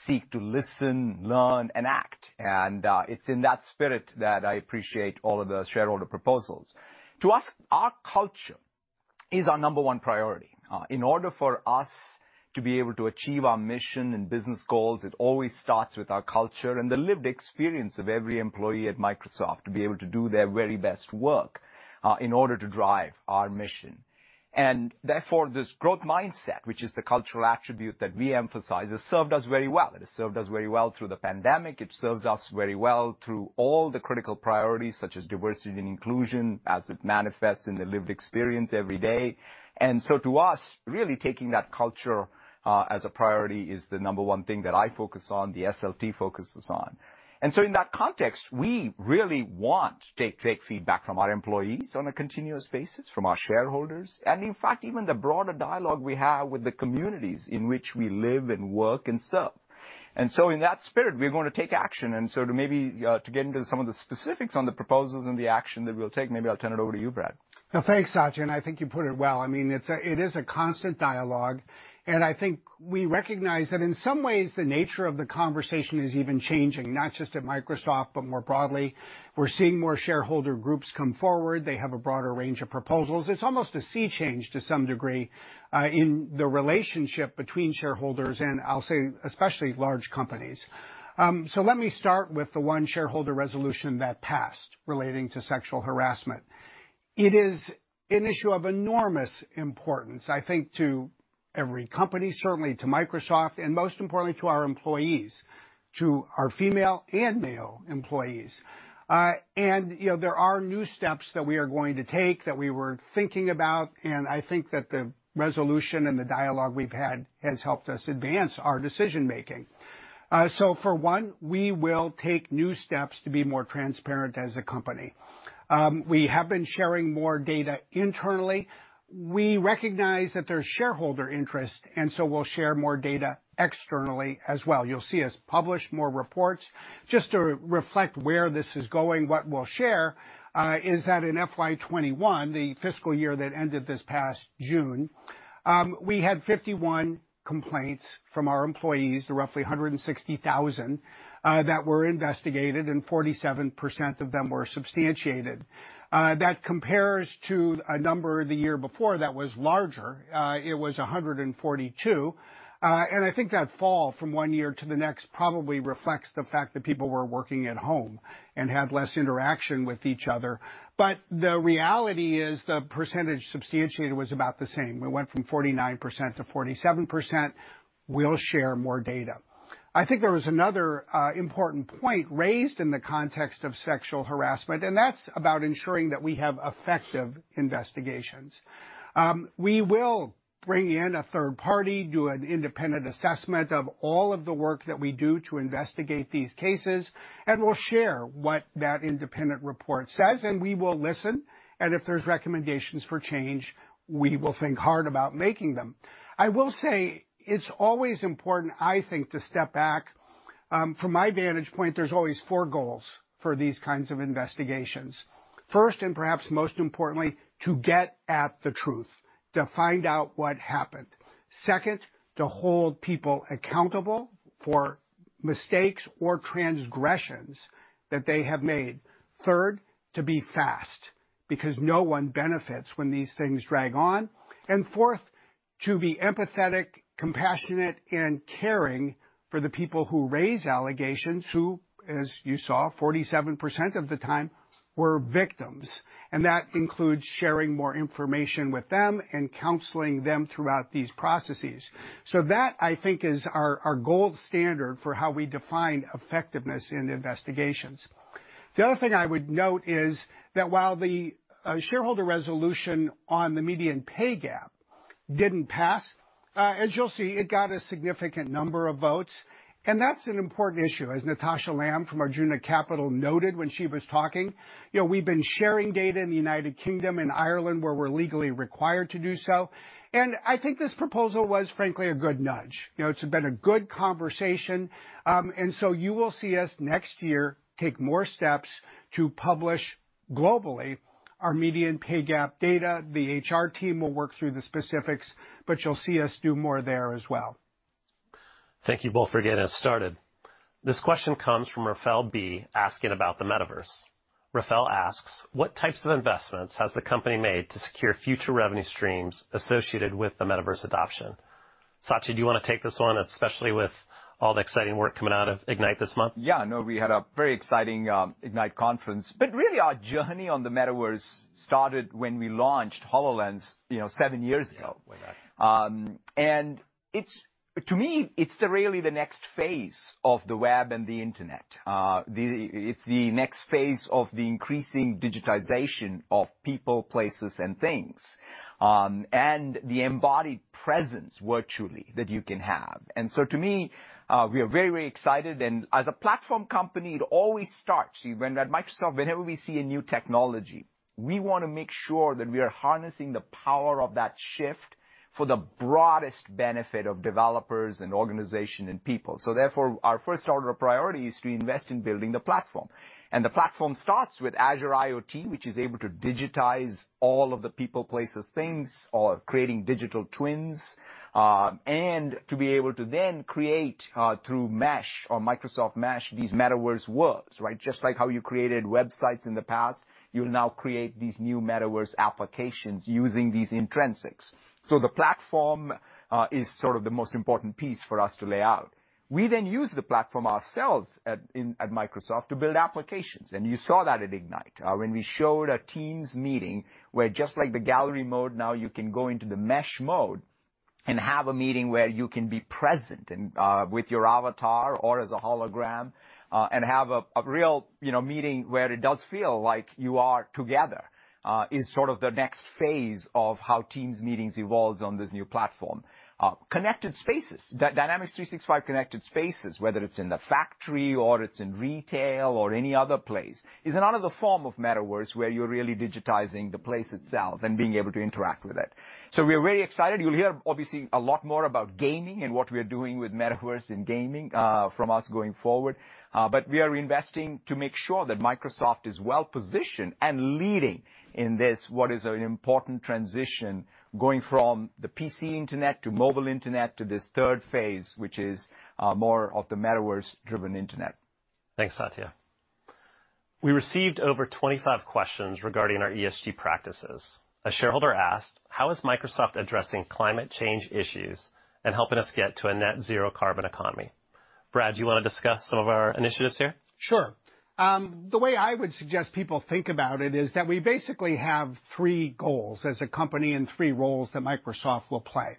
Speaker 14: seek to listen, learn, and act. It's in that spirit that I appreciate all of the shareholder proposals. To us, our culture is our number one priority. In order for us to be able to achieve our mission and business goals, it always starts with our culture and the lived experience of every employee at Microsoft to be able to do their very best work in order to drive our mission. Therefore, this growth mindset, which is the cultural attribute that we emphasize, has served us very well. It has served us very well through the pandemic. It serves us very well through all the critical priorities, such as diversity and inclusion, as it manifests in the lived experience every day. To us, really taking that culture as a priority is the number one thing that I focus on, the SLT focuses on. In that context, we really want to take feedback from our employees on a continuous basis, from our shareholders, and in fact, even the broader dialogue we have with the communities in which we live and work and serve. In that spirit, we're going to take action. To maybe to get into some of the specifics on the proposals and the action that we'll take, maybe I'll turn it over to you, Brad.
Speaker 19: No, thanks, Satya, and I think you put it well. I mean, it is a constant dialogue, and I think we recognize that in some ways the nature of the conversation is even changing, not just at Microsoft, but more broadly. We're seeing more shareholder groups come forward. They have a broader range of proposals. It's almost a sea change to some degree, in the relationship between shareholders, and I'll say especially large companies. Let me start with the one shareholder resolution that passed relating to sexual harassment. It is an issue of enormous importance, I think, to every company, certainly to Microsoft, and most importantly to our employees, to our female and male employees. You know, there are new steps that we are going to take that we were thinking about, and I think that the resolution and the dialogue we've had has helped us advance our decision-making. For one, we will take new steps to be more transparent as a company. We have been sharing more data internally. We recognize that there's shareholder interest, and we'll share more data externally as well. You'll see us publish more reports. Just to reflect where this is going, what we'll share is that in FY 2021, the fiscal year that ended this past June, we had 51 complaints from our employees to roughly 160,000 that were investigated, and 47% of them were substantiated. That compares to a number the year before that was larger. It was 142. I think that fall from one year to the next probably reflects the fact that people were working at home and had less interaction with each other. The reality is the percentage substantiated was about the same. We went from 49%-47%. We'll share more data. I think there was another important point raised in the context of sexual harassment, and that's about ensuring that we have effective investigations. We will bring in a third party, do an independent assessment of all of the work that we do to investigate these cases, and we'll share what that independent report says, and we will listen, and if there's recommendations for change, we will think hard about making them. I will say it's always important, I think, to step back. From my vantage point, there's always four goals for these kinds of investigations. First, and perhaps most importantly, to get at the truth, to find out what happened. Second, to hold people accountable for mistakes or transgressions that they have made. Third, to be fast, because no one benefits when these things drag on. Fourth, to be empathetic, compassionate, and caring for the people who raise allegations, who, as you saw, 47% of the time were victims. That includes sharing more information with them and counseling them throughout these processes. That, I think, is our gold standard for how we define effectiveness in investigations. The other thing I would note is that while the shareholder resolution on the median pay gap didn't pass, as you'll see, it got a significant number of votes, and that's an important issue. As Natasha Lamb from Arjuna Capital noted when she was talking, you know, we've been sharing data in the United Kingdom and Ireland, where we're legally required to do so. I think this proposal was, frankly, a good nudge. You know, it's been a good conversation. You will see us next year take more steps to publish globally our median pay gap data. The HR team will work through the specifics, but you'll see us do more there as well.
Speaker 1: Thank you both for getting us started. This question comes from Rafael B. asking about the metaverse. Rafael asks, "What types of investments has the company made to secure future revenue streams associated with the metaverse adoption?" Satya, do you wanna take this one, especially with all the exciting work coming out of Ignite this month?
Speaker 14: Yeah, no, we had a very exciting Ignite conference. Really our journey on the metaverse started when we launched HoloLens, you know, seven years ago.
Speaker 1: Yeah. Way back.
Speaker 14: To me, it's really the next phase of the web and the internet. It's the next phase of the increasing digitization of people, places, and things, and the embodied presence virtually that you can have. To me, we are very, very excited. As a platform company, it always starts, you see, when at Microsoft, whenever we see a new technology, we wanna make sure that we are harnessing the power of that shift for the broadest benefit of developers and organizations and people. Therefore, our first order of priority is to invest in building the platform. The platform starts with Azure IoT, which is able to digitize all of the people, places, things, or creating digital twins, and to be able to then create, through Mesh or Microsoft Mesh, these metaverse worlds, right? Just like how you created websites in the past, you'll now create these new metaverse applications using these intrinsics. The platform is sort of the most important piece for us to lay out. We then use the platform ourselves at Microsoft to build applications, and you saw that at Ignite when we showed a Teams meeting where just like the gallery mode, now you can go into the Mesh mode and have a meeting where you can be present and with your avatar or as a hologram and have a real, you know, meeting where it does feel like you are together, is sort of the next phase of how Teams meetings evolves on this new platform. Connected spaces. Dynamics 365 Connected Spaces, whether it's in the factory or it's in retail or any other place, is another form of metaverse where you're really digitizing the place itself and being able to interact with it. We're very excited. You'll hear obviously a lot more about gaming and what we're doing with metaverse in gaming from us going forward. We are investing to make sure that Microsoft is well-positioned and leading in this, what is an important transition going from the PC internet to mobile internet to this third phase, which is more of the metaverse-driven internet.
Speaker 1: Thanks, Satya. We received over 25 questions regarding our ESG practices. A shareholder asked, "How is Microsoft addressing climate change issues and helping us get to a net zero carbon economy?" Brad, do you wanna discuss some of our initiatives here?
Speaker 19: Sure. The way I would suggest people think about it is that we basically have three goals as a company and three roles that Microsoft will play.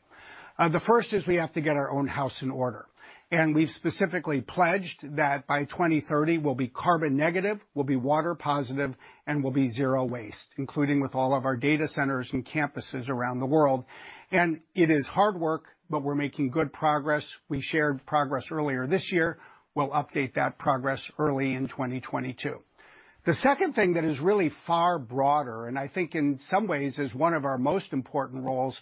Speaker 19: The first is we have to get our own house in order, and we've specifically pledged that by 2030 we'll be carbon negative, we'll be water positive, and we'll be zero waste, including with all of our data centers and campuses around the world. It is hard work, but we're making good progress. We shared progress earlier this year. We'll update that progress early in 2022. The second thing that is really far broader, and I think in some ways is one of our most important roles,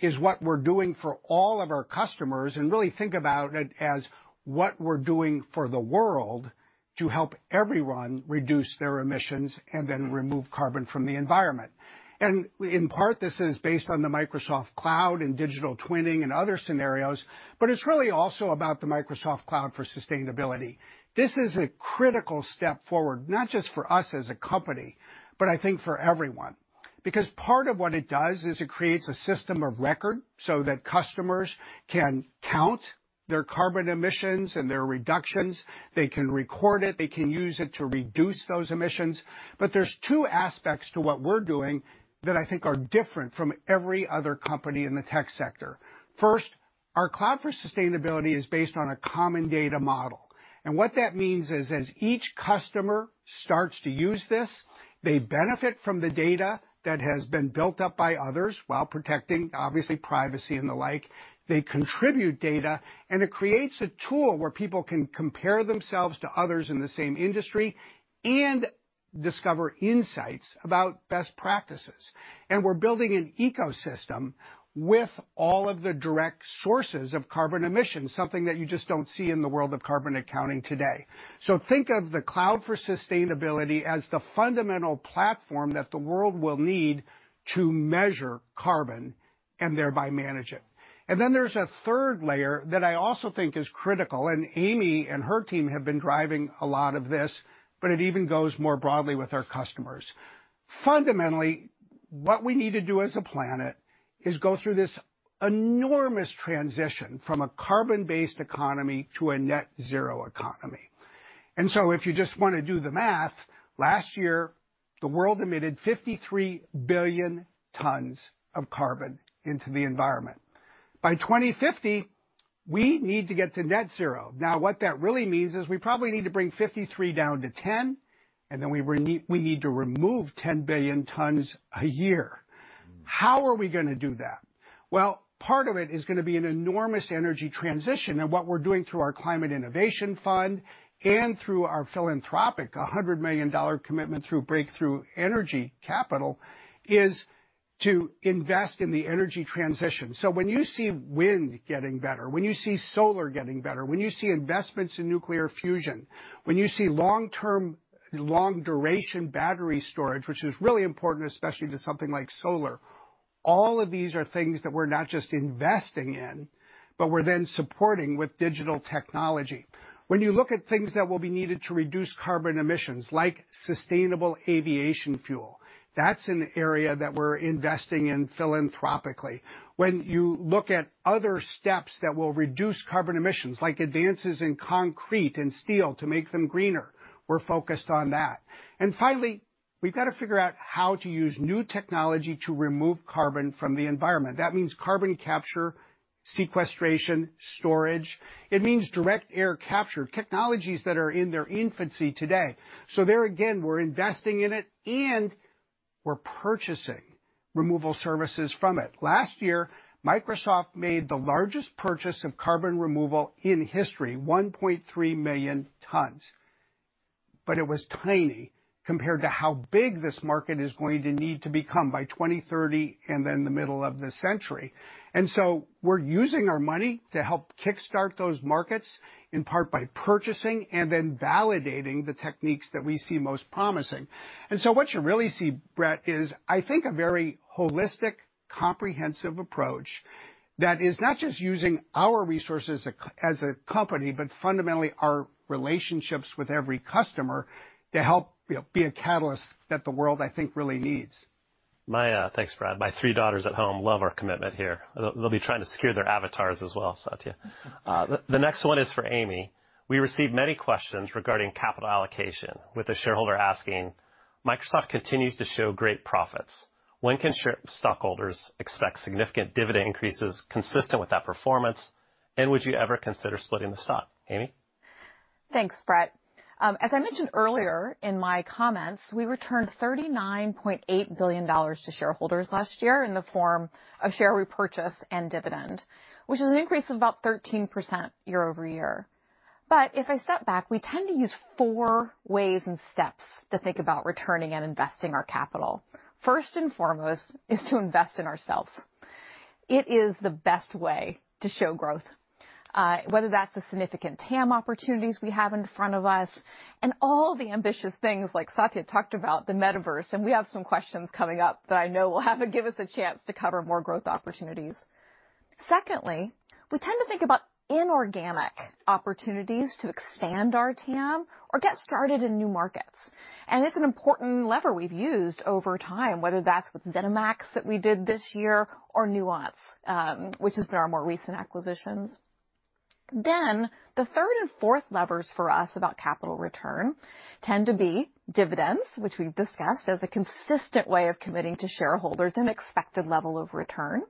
Speaker 19: is what we're doing for all of our customers, and really think about it as what we're doing for the world to help everyone reduce their emissions and then remove carbon from the environment. In part, this is based on the Microsoft Cloud and digital twins and other scenarios, but it's really also about the Microsoft Cloud for Sustainability. This is a critical step forward, not just for us as a company, but I think for everyone. Because part of what it does is it creates a system of record so that customers can count their carbon emissions and their reductions. They can record it. They can use it to reduce those emissions. There's two aspects to what we're doing that I think are different from every other company in the tech sector. First, our Cloud for Sustainability is based on a common data model, and what that means is as each customer starts to use this, they benefit from the data that has been built up by others while protecting, obviously, privacy and the like. They contribute data, and it creates a tool where people can compare themselves to others in the same industry and discover insights about best practices. We're building an ecosystem with all of the direct sources of carbon emissions, something that you just don't see in the world of carbon accounting today. Think of the Cloud for Sustainability as the fundamental platform that the world will need to measure carbon and thereby manage it. Then there's a third layer that I also think is critical, and Amy and her team have been driving a lot of this, but it even goes more broadly with our customers. Fundamentally, what we need to do as a planet is go through this enormous transition from a carbon-based economy to a net zero economy. If you just wanna do the math, last year the world emitted 53 billion tons of carbon into the environment. By 2050, we need to get to net zero. Now, what that really means is we probably need to bring 53 down to 10, and then we need to remove 10 billion tons a year. How are we gonna do that? Well, part of it is gonna be an enormous energy transition, and what we're doing through our Climate Innovation Fund and through our philanthropic $100 million commitment through Breakthrough Energy Catalyst is to invest in the energy transition. When you see wind getting better, when you see solar getting better, when you see investments in nuclear fusion, when you see long-term, long-duration battery storage, which is really important, especially to something like solar, all of these are things that we're not just investing in, but we're then supporting with digital technology. When you look at things that will be needed to reduce carbon emissions, like sustainable aviation fuel, that's an area that we're investing in philanthropically. When you look at other steps that will reduce carbon emissions, like advances in concrete and steel to make them greener, we're focused on that. Finally, we've gotta figure out how to use new technology to remove carbon from the environment. That means carbon capture, sequestration, storage. It means direct air capture, technologies that are in their infancy today. There again, we're investing in it, and we're purchasing removal services from it. Last year, Microsoft made the largest purchase of carbon removal in history, 1.3 million tons. It was tiny compared to how big this market is going to need to become by 2030 and then the middle of the century. We're using our money to help kickstart those markets, in part by purchasing and then validating the techniques that we see most promising. What you really see, Brett, is I think a very holistic, comprehensive approach that is not just using our resources as a company, but fundamentally our relationships with every customer to help, you know, be a catalyst that the world, I think, really needs.
Speaker 1: Thanks, Brad. My three daughters at home love our commitment here. They'll be trying to secure their avatars as well, Satya. The next one is for Amy. We received many questions regarding capital allocation, with a shareholder asking, "Microsoft continues to show great profits. When can stockholders expect significant dividend increases consistent with that performance, and would you ever consider splitting the stock?" Amy?
Speaker 13: Thanks, Brett. As I mentioned earlier in my comments, we returned $39.8 billion to shareholders last year in the form of share repurchase and dividend, which is an increase of about 13% year-over-year. If I step back, we tend to use four ways and steps to think about returning and investing our capital. First and foremost is to invest in ourselves. It is the best way to show growth, whether that's the significant TAM opportunities we have in front of us and all the ambitious things like Satya talked about, the metaverse, and we have some questions coming up that I know will give us a chance to cover more growth opportunities. Secondly, we tend to think about inorganic opportunities to expand our TAM or get started in new markets. It's an important lever we've used over time, whether that's with ZeniMax that we did this year or Nuance, which has been our more recent acquisitions. The third and fourth levers for us about capital return tend to be dividends, which we've discussed as a consistent way of committing to shareholders an expected level of return.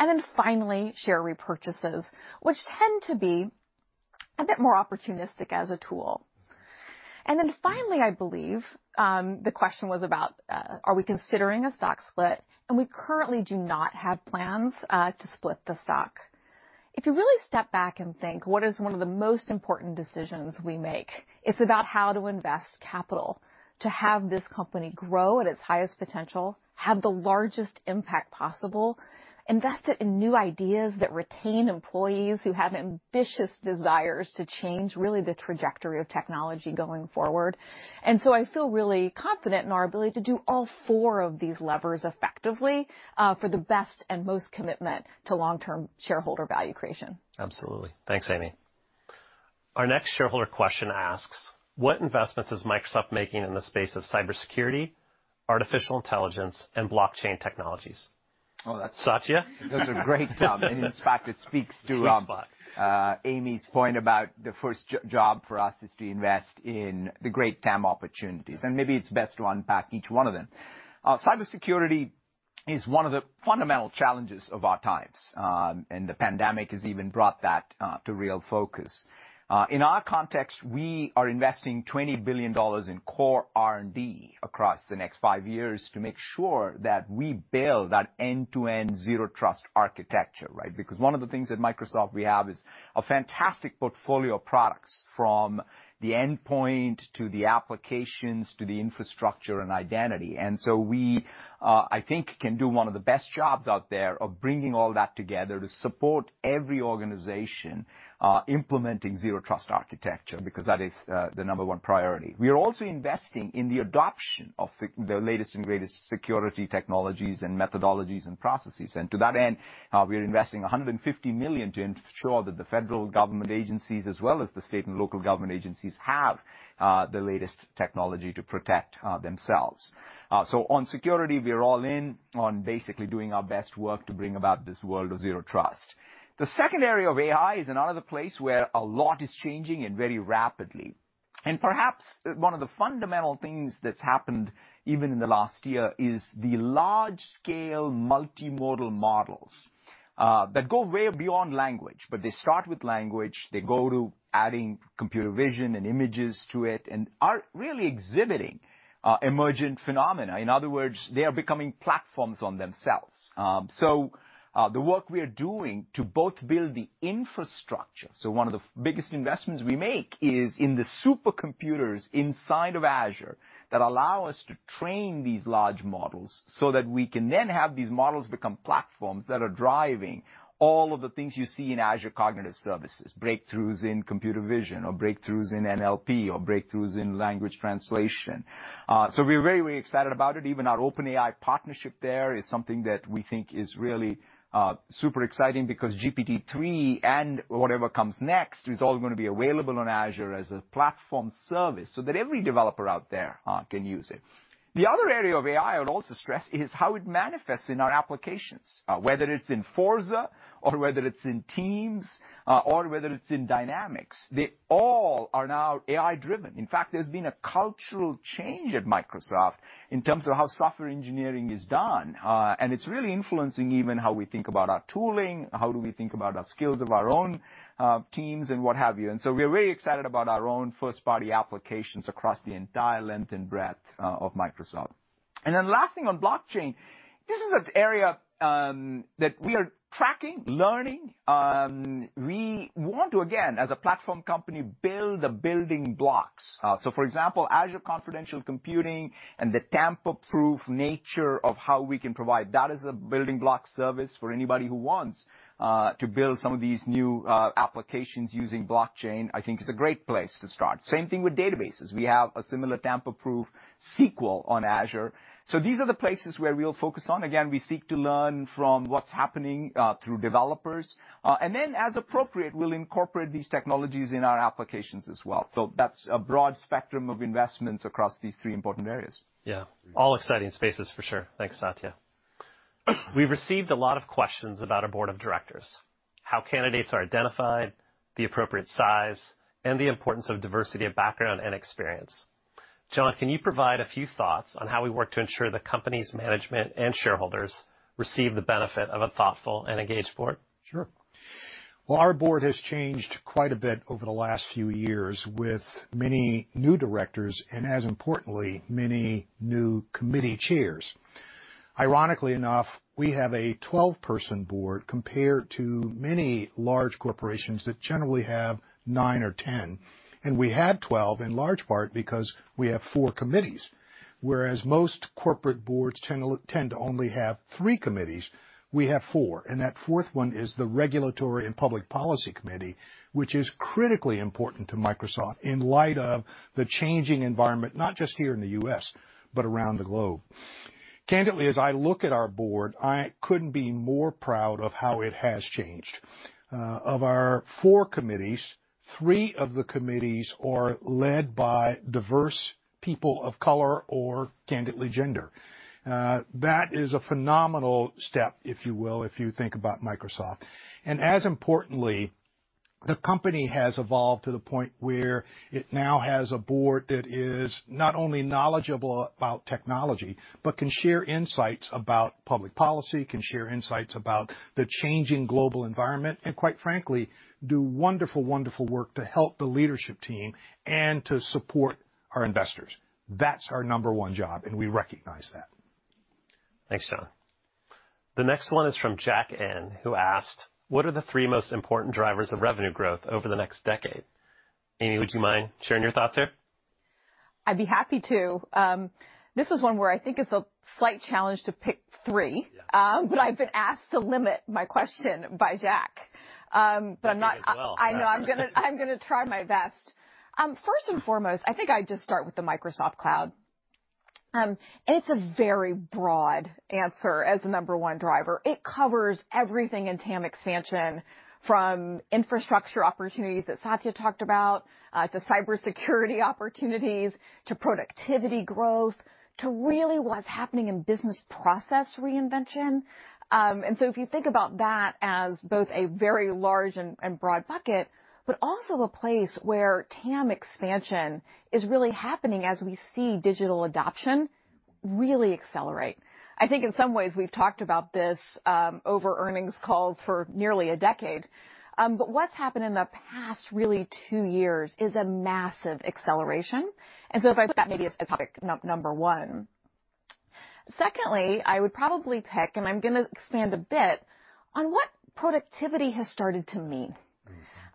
Speaker 13: Share repurchases tend to be a bit more opportunistic as a tool. I believe the question was about, are we considering a stock split? We currently do not have plans to split the stock. If you really step back and think, what is one of the most important decisions we make? It's about how to invest capital to have this company grow at its highest potential, have the largest impact possible, invest it in new ideas that retain employees who have ambitious desires to change really the trajectory of technology going forward. I feel really confident in our ability to do all four of these levers effectively, for the best and most commitment to long-term shareholder value creation.
Speaker 1: Absolutely. Thanks, Amy. Our next shareholder question asks, "What investments is Microsoft making in the space of cybersecurity, artificial intelligence and blockchain technologies?
Speaker 14: Oh, that's.
Speaker 1: Satya.
Speaker 14: That's a great job. In fact, it speaks to
Speaker 1: Sweet spot.
Speaker 14: Amy's point about the first job for us is to invest in the great TAM opportunities, and maybe it's best to unpack each one of them. Cybersecurity is one of the fundamental challenges of our times. The pandemic has even brought that to real focus. In our context, we are investing $20 billion in core R&D across the next five years to make sure that we build that end-to-end zero trust architecture, right? Because one of the things at Microsoft we have is a fantastic portfolio of products from the endpoint to the applications to the infrastructure and identity. We, I think, can do one of the best jobs out there of bringing all that together to support every organization implementing zero trust architecture, because that is the number one priority. We are also investing in the adoption of the latest and greatest security technologies and methodologies and processes. To that end, we are investing $150 million to ensure that the federal government agencies as well as the state and local government agencies have the latest technology to protect themselves. On security, we are all in on basically doing our best work to bring about this world of zero trust. The second area of AI is another place where a lot is changing and very rapidly. Perhaps one of the fundamental things that's happened even in the last year is the large-scale multimodal models that go way beyond language, but they start with language. They go to adding computer vision and images to it and are really exhibiting emergent phenomena. In other words, they are becoming platforms on themselves. The work we are doing to both build the infrastructure, one of the biggest investments we make is in the supercomputers inside of Azure that allow us to train these large models so that we can then have these models become platforms that are driving all of the things you see in Azure Cognitive Services, breakthroughs in computer vision or breakthroughs in NLP or breakthroughs in language translation. We're very, very excited about it. Even our OpenAI partnership there is something that we think is really super exciting because GPT-3 and whatever comes next is all gonna be available on Azure as a platform service so that every developer out there can use it. The other area of AI I would also stress is how it manifests in our applications, whether it's in Forza or whether it's in Teams, or whether it's in Dynamics. They all are now AI-driven. In fact, there's been a cultural change at Microsoft in terms of how software engineering is done. It's really influencing even how we think about our tooling, how do we think about our skills of our own, teams and what have you. We are very excited about our own first-party applications across the entire length and breadth, of Microsoft. Last thing on blockchain, this is an area, that we are tracking, learning. We want to, again, as a platform company, build the building blocks. For example, Azure confidential computing and the tamper-proof nature of how we can provide that as a building block service for anybody who wants to build some of these new applications using blockchain, I think, is a great place to start. Same thing with databases. We have a similar tamper-proof SQL on Azure. These are the places where we'll focus on. Again, we seek to learn from what's happening through developers. As appropriate, we'll incorporate these technologies in our applications as well. That's a broad spectrum of investments across these three important areas.
Speaker 1: Yeah. All exciting spaces for sure. Thanks, Satya. We've received a lot of questions about our board of directors, how candidates are identified, the appropriate size, and the importance of diversity of background and experience. John, can you provide a few thoughts on how we work to ensure the company's management and shareholders receive the benefit of a thoughtful and engaged board?
Speaker 5: Sure. Well, our board has changed quite a bit over the last few years with many new directors and, as importantly, many new committee chairs. Ironically enough, we have a 12-person board compared to many large corporations that generally have nine or 10, and we had 12 in large part because we have four committees. Whereas most corporate boards tend to only have three committees, we have four, and that fourth one is the Regulatory and Public Policy Committee, which is critically important to Microsoft in light of the changing environment, not just here in the U.S., but around the globe. Candidly, as I look at our board, I couldn't be more proud of how it has changed. Of our four committees, three of the committees are led by diverse people of color or, candidly, gender. That is a phenomenal step, if you will, if you think about Microsoft. As importantly, the company has evolved to the point where it now has a board that is not only knowledgeable about technology but can share insights about public policy, can share insights about the changing global environment and, quite frankly, do wonderful work to help the leadership team and to support our investors. That's our number one job, and we recognize that.
Speaker 1: Thanks, John. The next one is from Jack N, who asked, "What are the three most important drivers of revenue growth over the next decade?" Amy, would you mind sharing your thoughts here?
Speaker 13: I'd be happy to. This is one where I think it's a slight challenge to pick three.
Speaker 1: Yeah.
Speaker 13: I've been asked to limit my question by Jack. I'm not
Speaker 1: I think as well.
Speaker 13: I know. I'm gonna try my best. First and foremost, I think I'd just start with the Microsoft Cloud. It's a very broad answer as the number one driver. It covers everything in TAM expansion, from infrastructure opportunities that Satya talked about, to cybersecurity opportunities, to productivity growth, to really what's happening in business process reinvention. If you think about that as both a very large and broad bucket, but also a place where TAM expansion is really happening as we see digital adoption really accelerate. I think in some ways we've talked about this over earnings calls for nearly a decade. But what's happened in the past really two years is a massive acceleration. If I put that maybe as topic number one. Secondly, I would probably pick, and I'm gonna expand a bit, on what productivity has started to mean.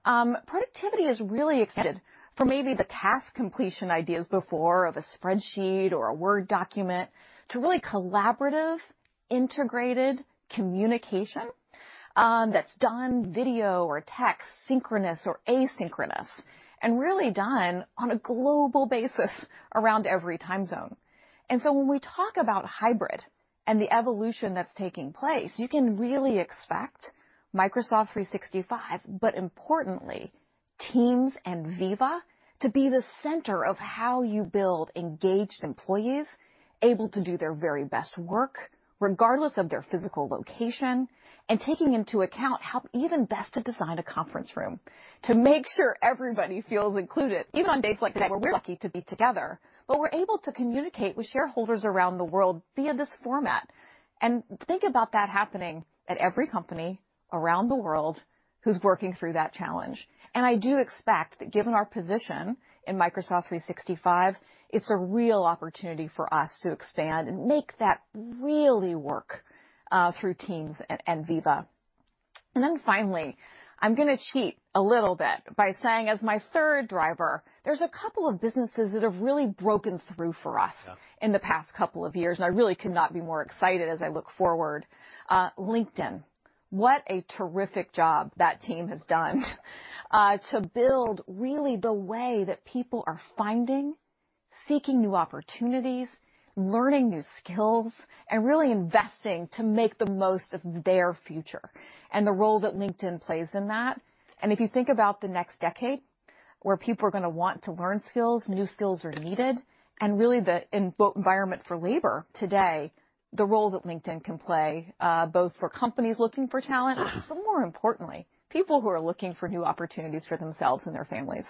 Speaker 13: Productivity has really extended from maybe the task completion ideas before of a spreadsheet or a Word document to really collaborative, integrated communication, that's done video or text, synchronous or asynchronous, and really done on a global basis around every time zone. When we talk about hybrid and the evolution that's taking place, you can really expect Microsoft 365, but importantly, Teams and Viva to be the center of how you build engaged employees able to do their very best work regardless of their physical location, and taking into account how even best to design a conference room to make sure everybody feels included. Even on days like today, where we're lucky to be together, but we're able to communicate with shareholders around the world via this format. Think about that happening at every company around the world who's working through that challenge. I do expect that given our position in Microsoft 365, it's a real opportunity for us to expand and make that really work through Teams and Viva. Then finally, I'm gonna cheat a little bit by saying as my third driver, there's a couple of businesses that have really broken through for us.
Speaker 1: Yeah.
Speaker 13: In the past couple of years, and I really could not be more excited as I look forward. LinkedIn, what a terrific job that team has done, to build really the way that people are finding, seeking new opportunities, learning new skills, and really investing to make the most of their future and the role that LinkedIn plays in that. If you think about the next decade, where people are gonna want to learn skills, new skills are needed, and really the environment for labor today, the role that LinkedIn can play, both for companies looking for talent, but more importantly, people who are looking for new opportunities for themselves and their families.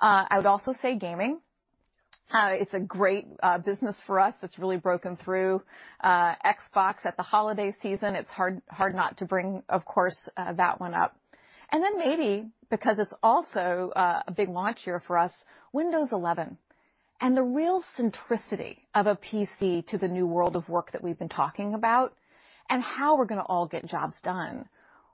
Speaker 13: I would also say gaming. It's a great business for us that's really broken through. Xbox at the holiday season, it's hard not to bring, of course, that one up. Maybe, because it's also a big launch year for us, Windows 11 and the real centricity of a PC to the new world of work that we've been talking about and how we're gonna all get jobs done.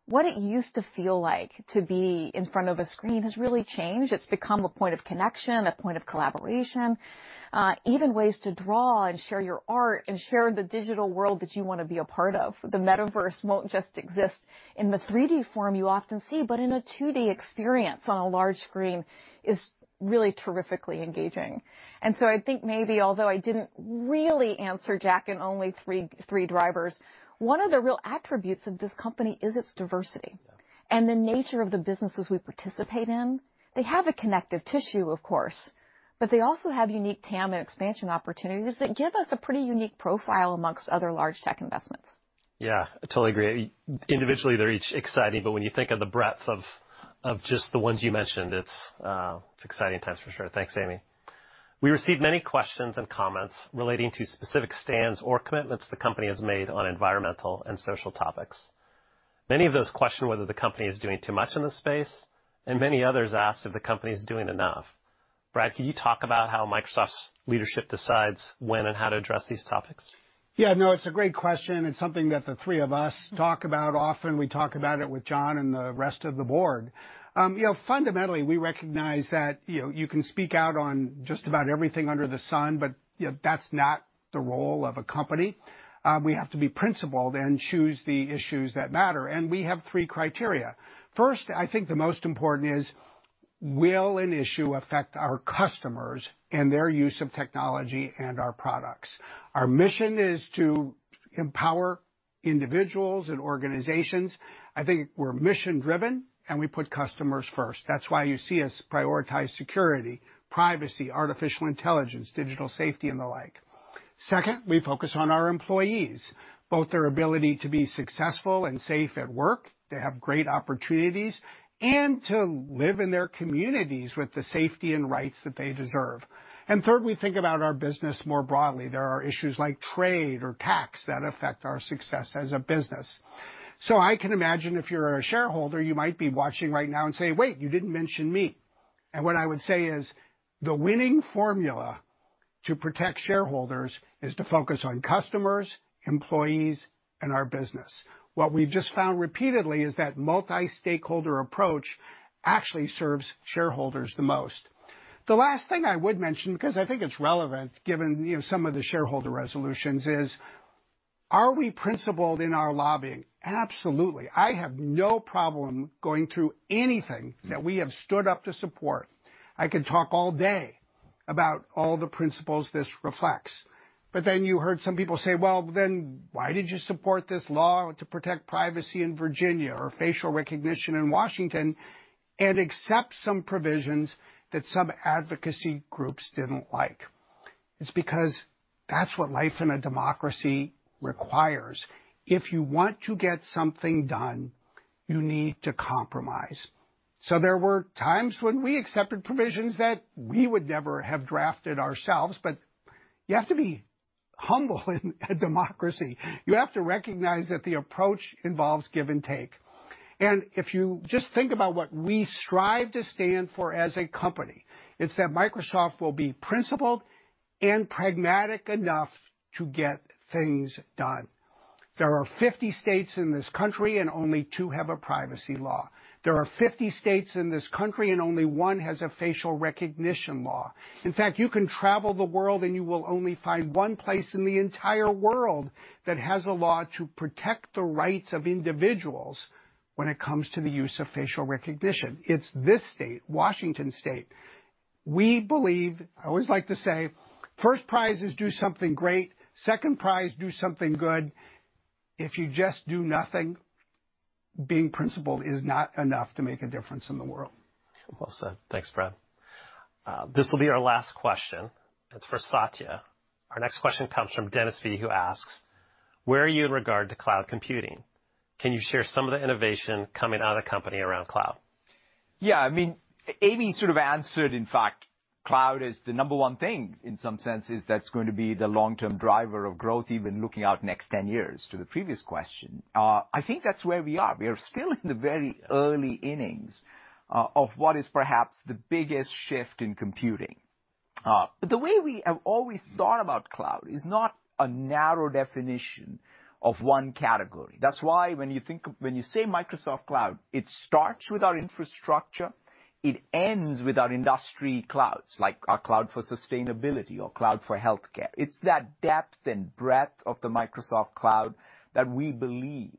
Speaker 13: What it used to feel like to be in front of a screen has really changed. It's become a point of connection, a point of collaboration, even ways to draw and share your art and share the digital world that you wanna be a part of. The metaverse won't just exist in the 3D form you often see, but in a 2D experience on a large screen is really terrifically engaging. I think maybe, although I didn't really answer Jack in only three drivers, one of the real attributes of this company is its diversity.
Speaker 1: Yeah.
Speaker 13: The nature of the businesses we participate in, they have a connective tissue, of course, but they also have unique TAM and expansion opportunities that give us a pretty unique profile among other large tech investments.
Speaker 1: Yeah, I totally agree. Individually, they're each exciting, but when you think of the breadth of just the ones you mentioned, it's exciting times for sure. Thanks, Amy. We received many questions and comments relating to specific stands or commitments the company has made on environmental and social topics. Many of those question whether the company is doing too much in this space, and many others ask if the company is doing enough. Brad, can you talk about how Microsoft's leadership decides when and how to address these topics?
Speaker 19: Yeah, no, it's a great question. It's something that the three of us talk about often. We talk about it with John and the rest of the board. You know, fundamentally, we recognize that, you know, you can speak out on just about everything under the sun, but, you know, that's not the role of a company. We have to be principled and choose the issues that matter. We have three criteria. First, I think the most important is will an issue affect our customers and their use of technology and our products? Our mission is to empower individuals and organizations. I think we're mission-driven, and we put customers first. That's why you see us prioritize security, privacy, artificial intelligence, digital safety, and the like. Second, we focus on our employees, both their ability to be successful and safe at work, to have great opportunities and to live in their communities with the safety and rights that they deserve. Third, we think about our business more broadly. There are issues like trade or tax that affect our success as a business. I can imagine if you're a shareholder, you might be watching right now and say, "Wait, you didn't mention me." What I would say is, the winning formula to protect shareholders is to focus on customers, employees, and our business. What we've just found repeatedly is that multi-stakeholder approach actually serves shareholders the most. The last thing I would mention, because I think it's relevant, given, you know, some of the shareholder resolutions is, are we principled in our lobbying? Absolutely. I have no problem going through anything that we have stood up to support. I can talk all day about all the principles this reflects. You heard some people say, "Well, then why did you support this law to protect privacy in Virginia or facial recognition in Washington and accept some provisions that some advocacy groups didn't like?" It's because that's what life in a democracy requires. If you want to get something done, you need to compromise. There were times when we accepted provisions that we would never have drafted ourselves, but you have to be humble in a democracy. You have to recognize that the approach involves give and take. If you just think about what we strive to stand for as a company, it's that Microsoft will be principled and pragmatic enough to get things done. There are 50 states in this country and only two have a privacy law. There are 50 states in this country and only one has a facial recognition law. In fact, you can travel the world and you will only find one place in the entire world that has a law to protect the rights of individuals when it comes to the use of facial recognition. It's this state, Washington State. We believe, I always like to say, first prize is do something great. Second prize, do something good. If you just do nothing, being principled is not enough to make a difference in the world.
Speaker 1: Well said. Thanks, Brad. This will be our last question. It's for Satya. Our next question comes from Dennis V, who asks: Where are you in regard to cloud computing? Can you share some of the innovation coming out of the company around cloud?
Speaker 14: Yeah, I mean, Amy sort of answered. In fact, cloud is the number one thing. In some senses, that's going to be the long-term driver of growth, even looking out next 10 years to the previous question. I think that's where we are. We are still in the very early innings of what is perhaps the biggest shift in computing. But the way we have always thought about cloud is not a narrow definition of one category. That's why when you say Microsoft Cloud, it starts with our infrastructure. It ends with our industry clouds, like our cloud for sustainability or cloud for healthcare. It's that depth and breadth of the Microsoft Cloud that we believe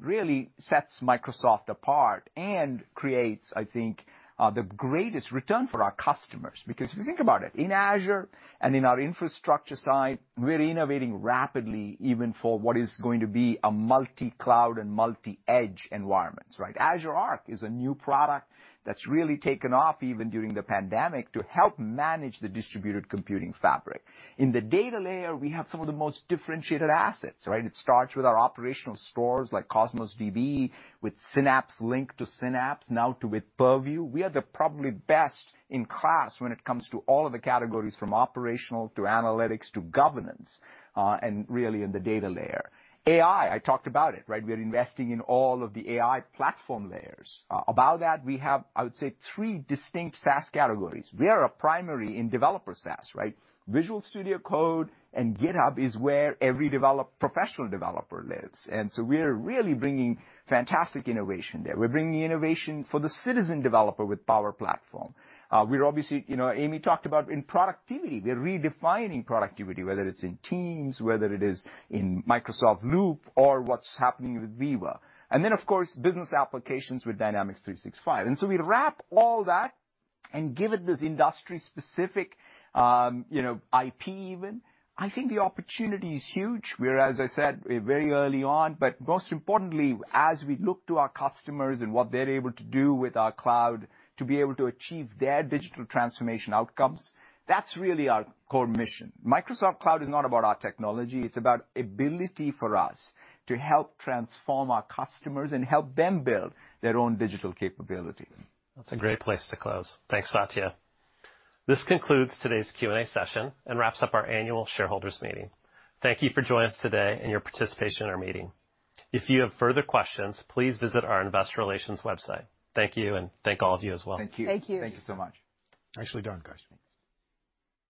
Speaker 14: really sets Microsoft apart and creates, I think, the greatest return for our customers. Because if you think about it, in Azure and in our infrastructure side, we're innovating rapidly, even for what is going to be a multi-cloud and multi-edge environments, right? Azure Arc is a new product that's really taken off even during the pandemic to help manage the distributed computing fabric. In the data layer, we have some of the most differentiated assets, right? It starts with our operational stores like Cosmos DB, with Synapse Link to Synapse, now to Purview. We are probably the best in class when it comes to all of the categories from operational to analytics to governance, and really in the data layer. AI, I talked about it, right? We're investing in all of the AI platform layers. About that, we have, I would say, three distinct SaaS categories. We are a primary in developer SaaS, right? Visual Studio Code and GitHub is where every professional developer lives. We're really bringing fantastic innovation there. We're bringing innovation for the citizen developer with Power Platform. We're obviously, you know, Amy talked about in productivity, we're redefining productivity, whether it's in Teams, whether it is in Microsoft Loop or what's happening with Viva. Of course, business applications with Dynamics 365. We wrap all that and give it this industry specific, you know, IP even. I think the opportunity is huge. We're, as I said, very early on, but most importantly, as we look to our customers and what they're able to do with our cloud to be able to achieve their digital transformation outcomes, that's really our core mission. Microsoft Cloud is not about our technology, it's about ability for us to help transform our customers and help them build their own digital capability.
Speaker 1: That's a great place to close. Thanks, Satya. This concludes today's Q&A session and wraps up our annual shareholders meeting. Thank you for joining us today and your participation in our meeting. If you have further questions, please visit our investor relations website. Thank you, and thank all of you as well.
Speaker 19: Thank you.
Speaker 7: Thank you.
Speaker 6: Thank you so much.
Speaker 5: Nicely done, guys.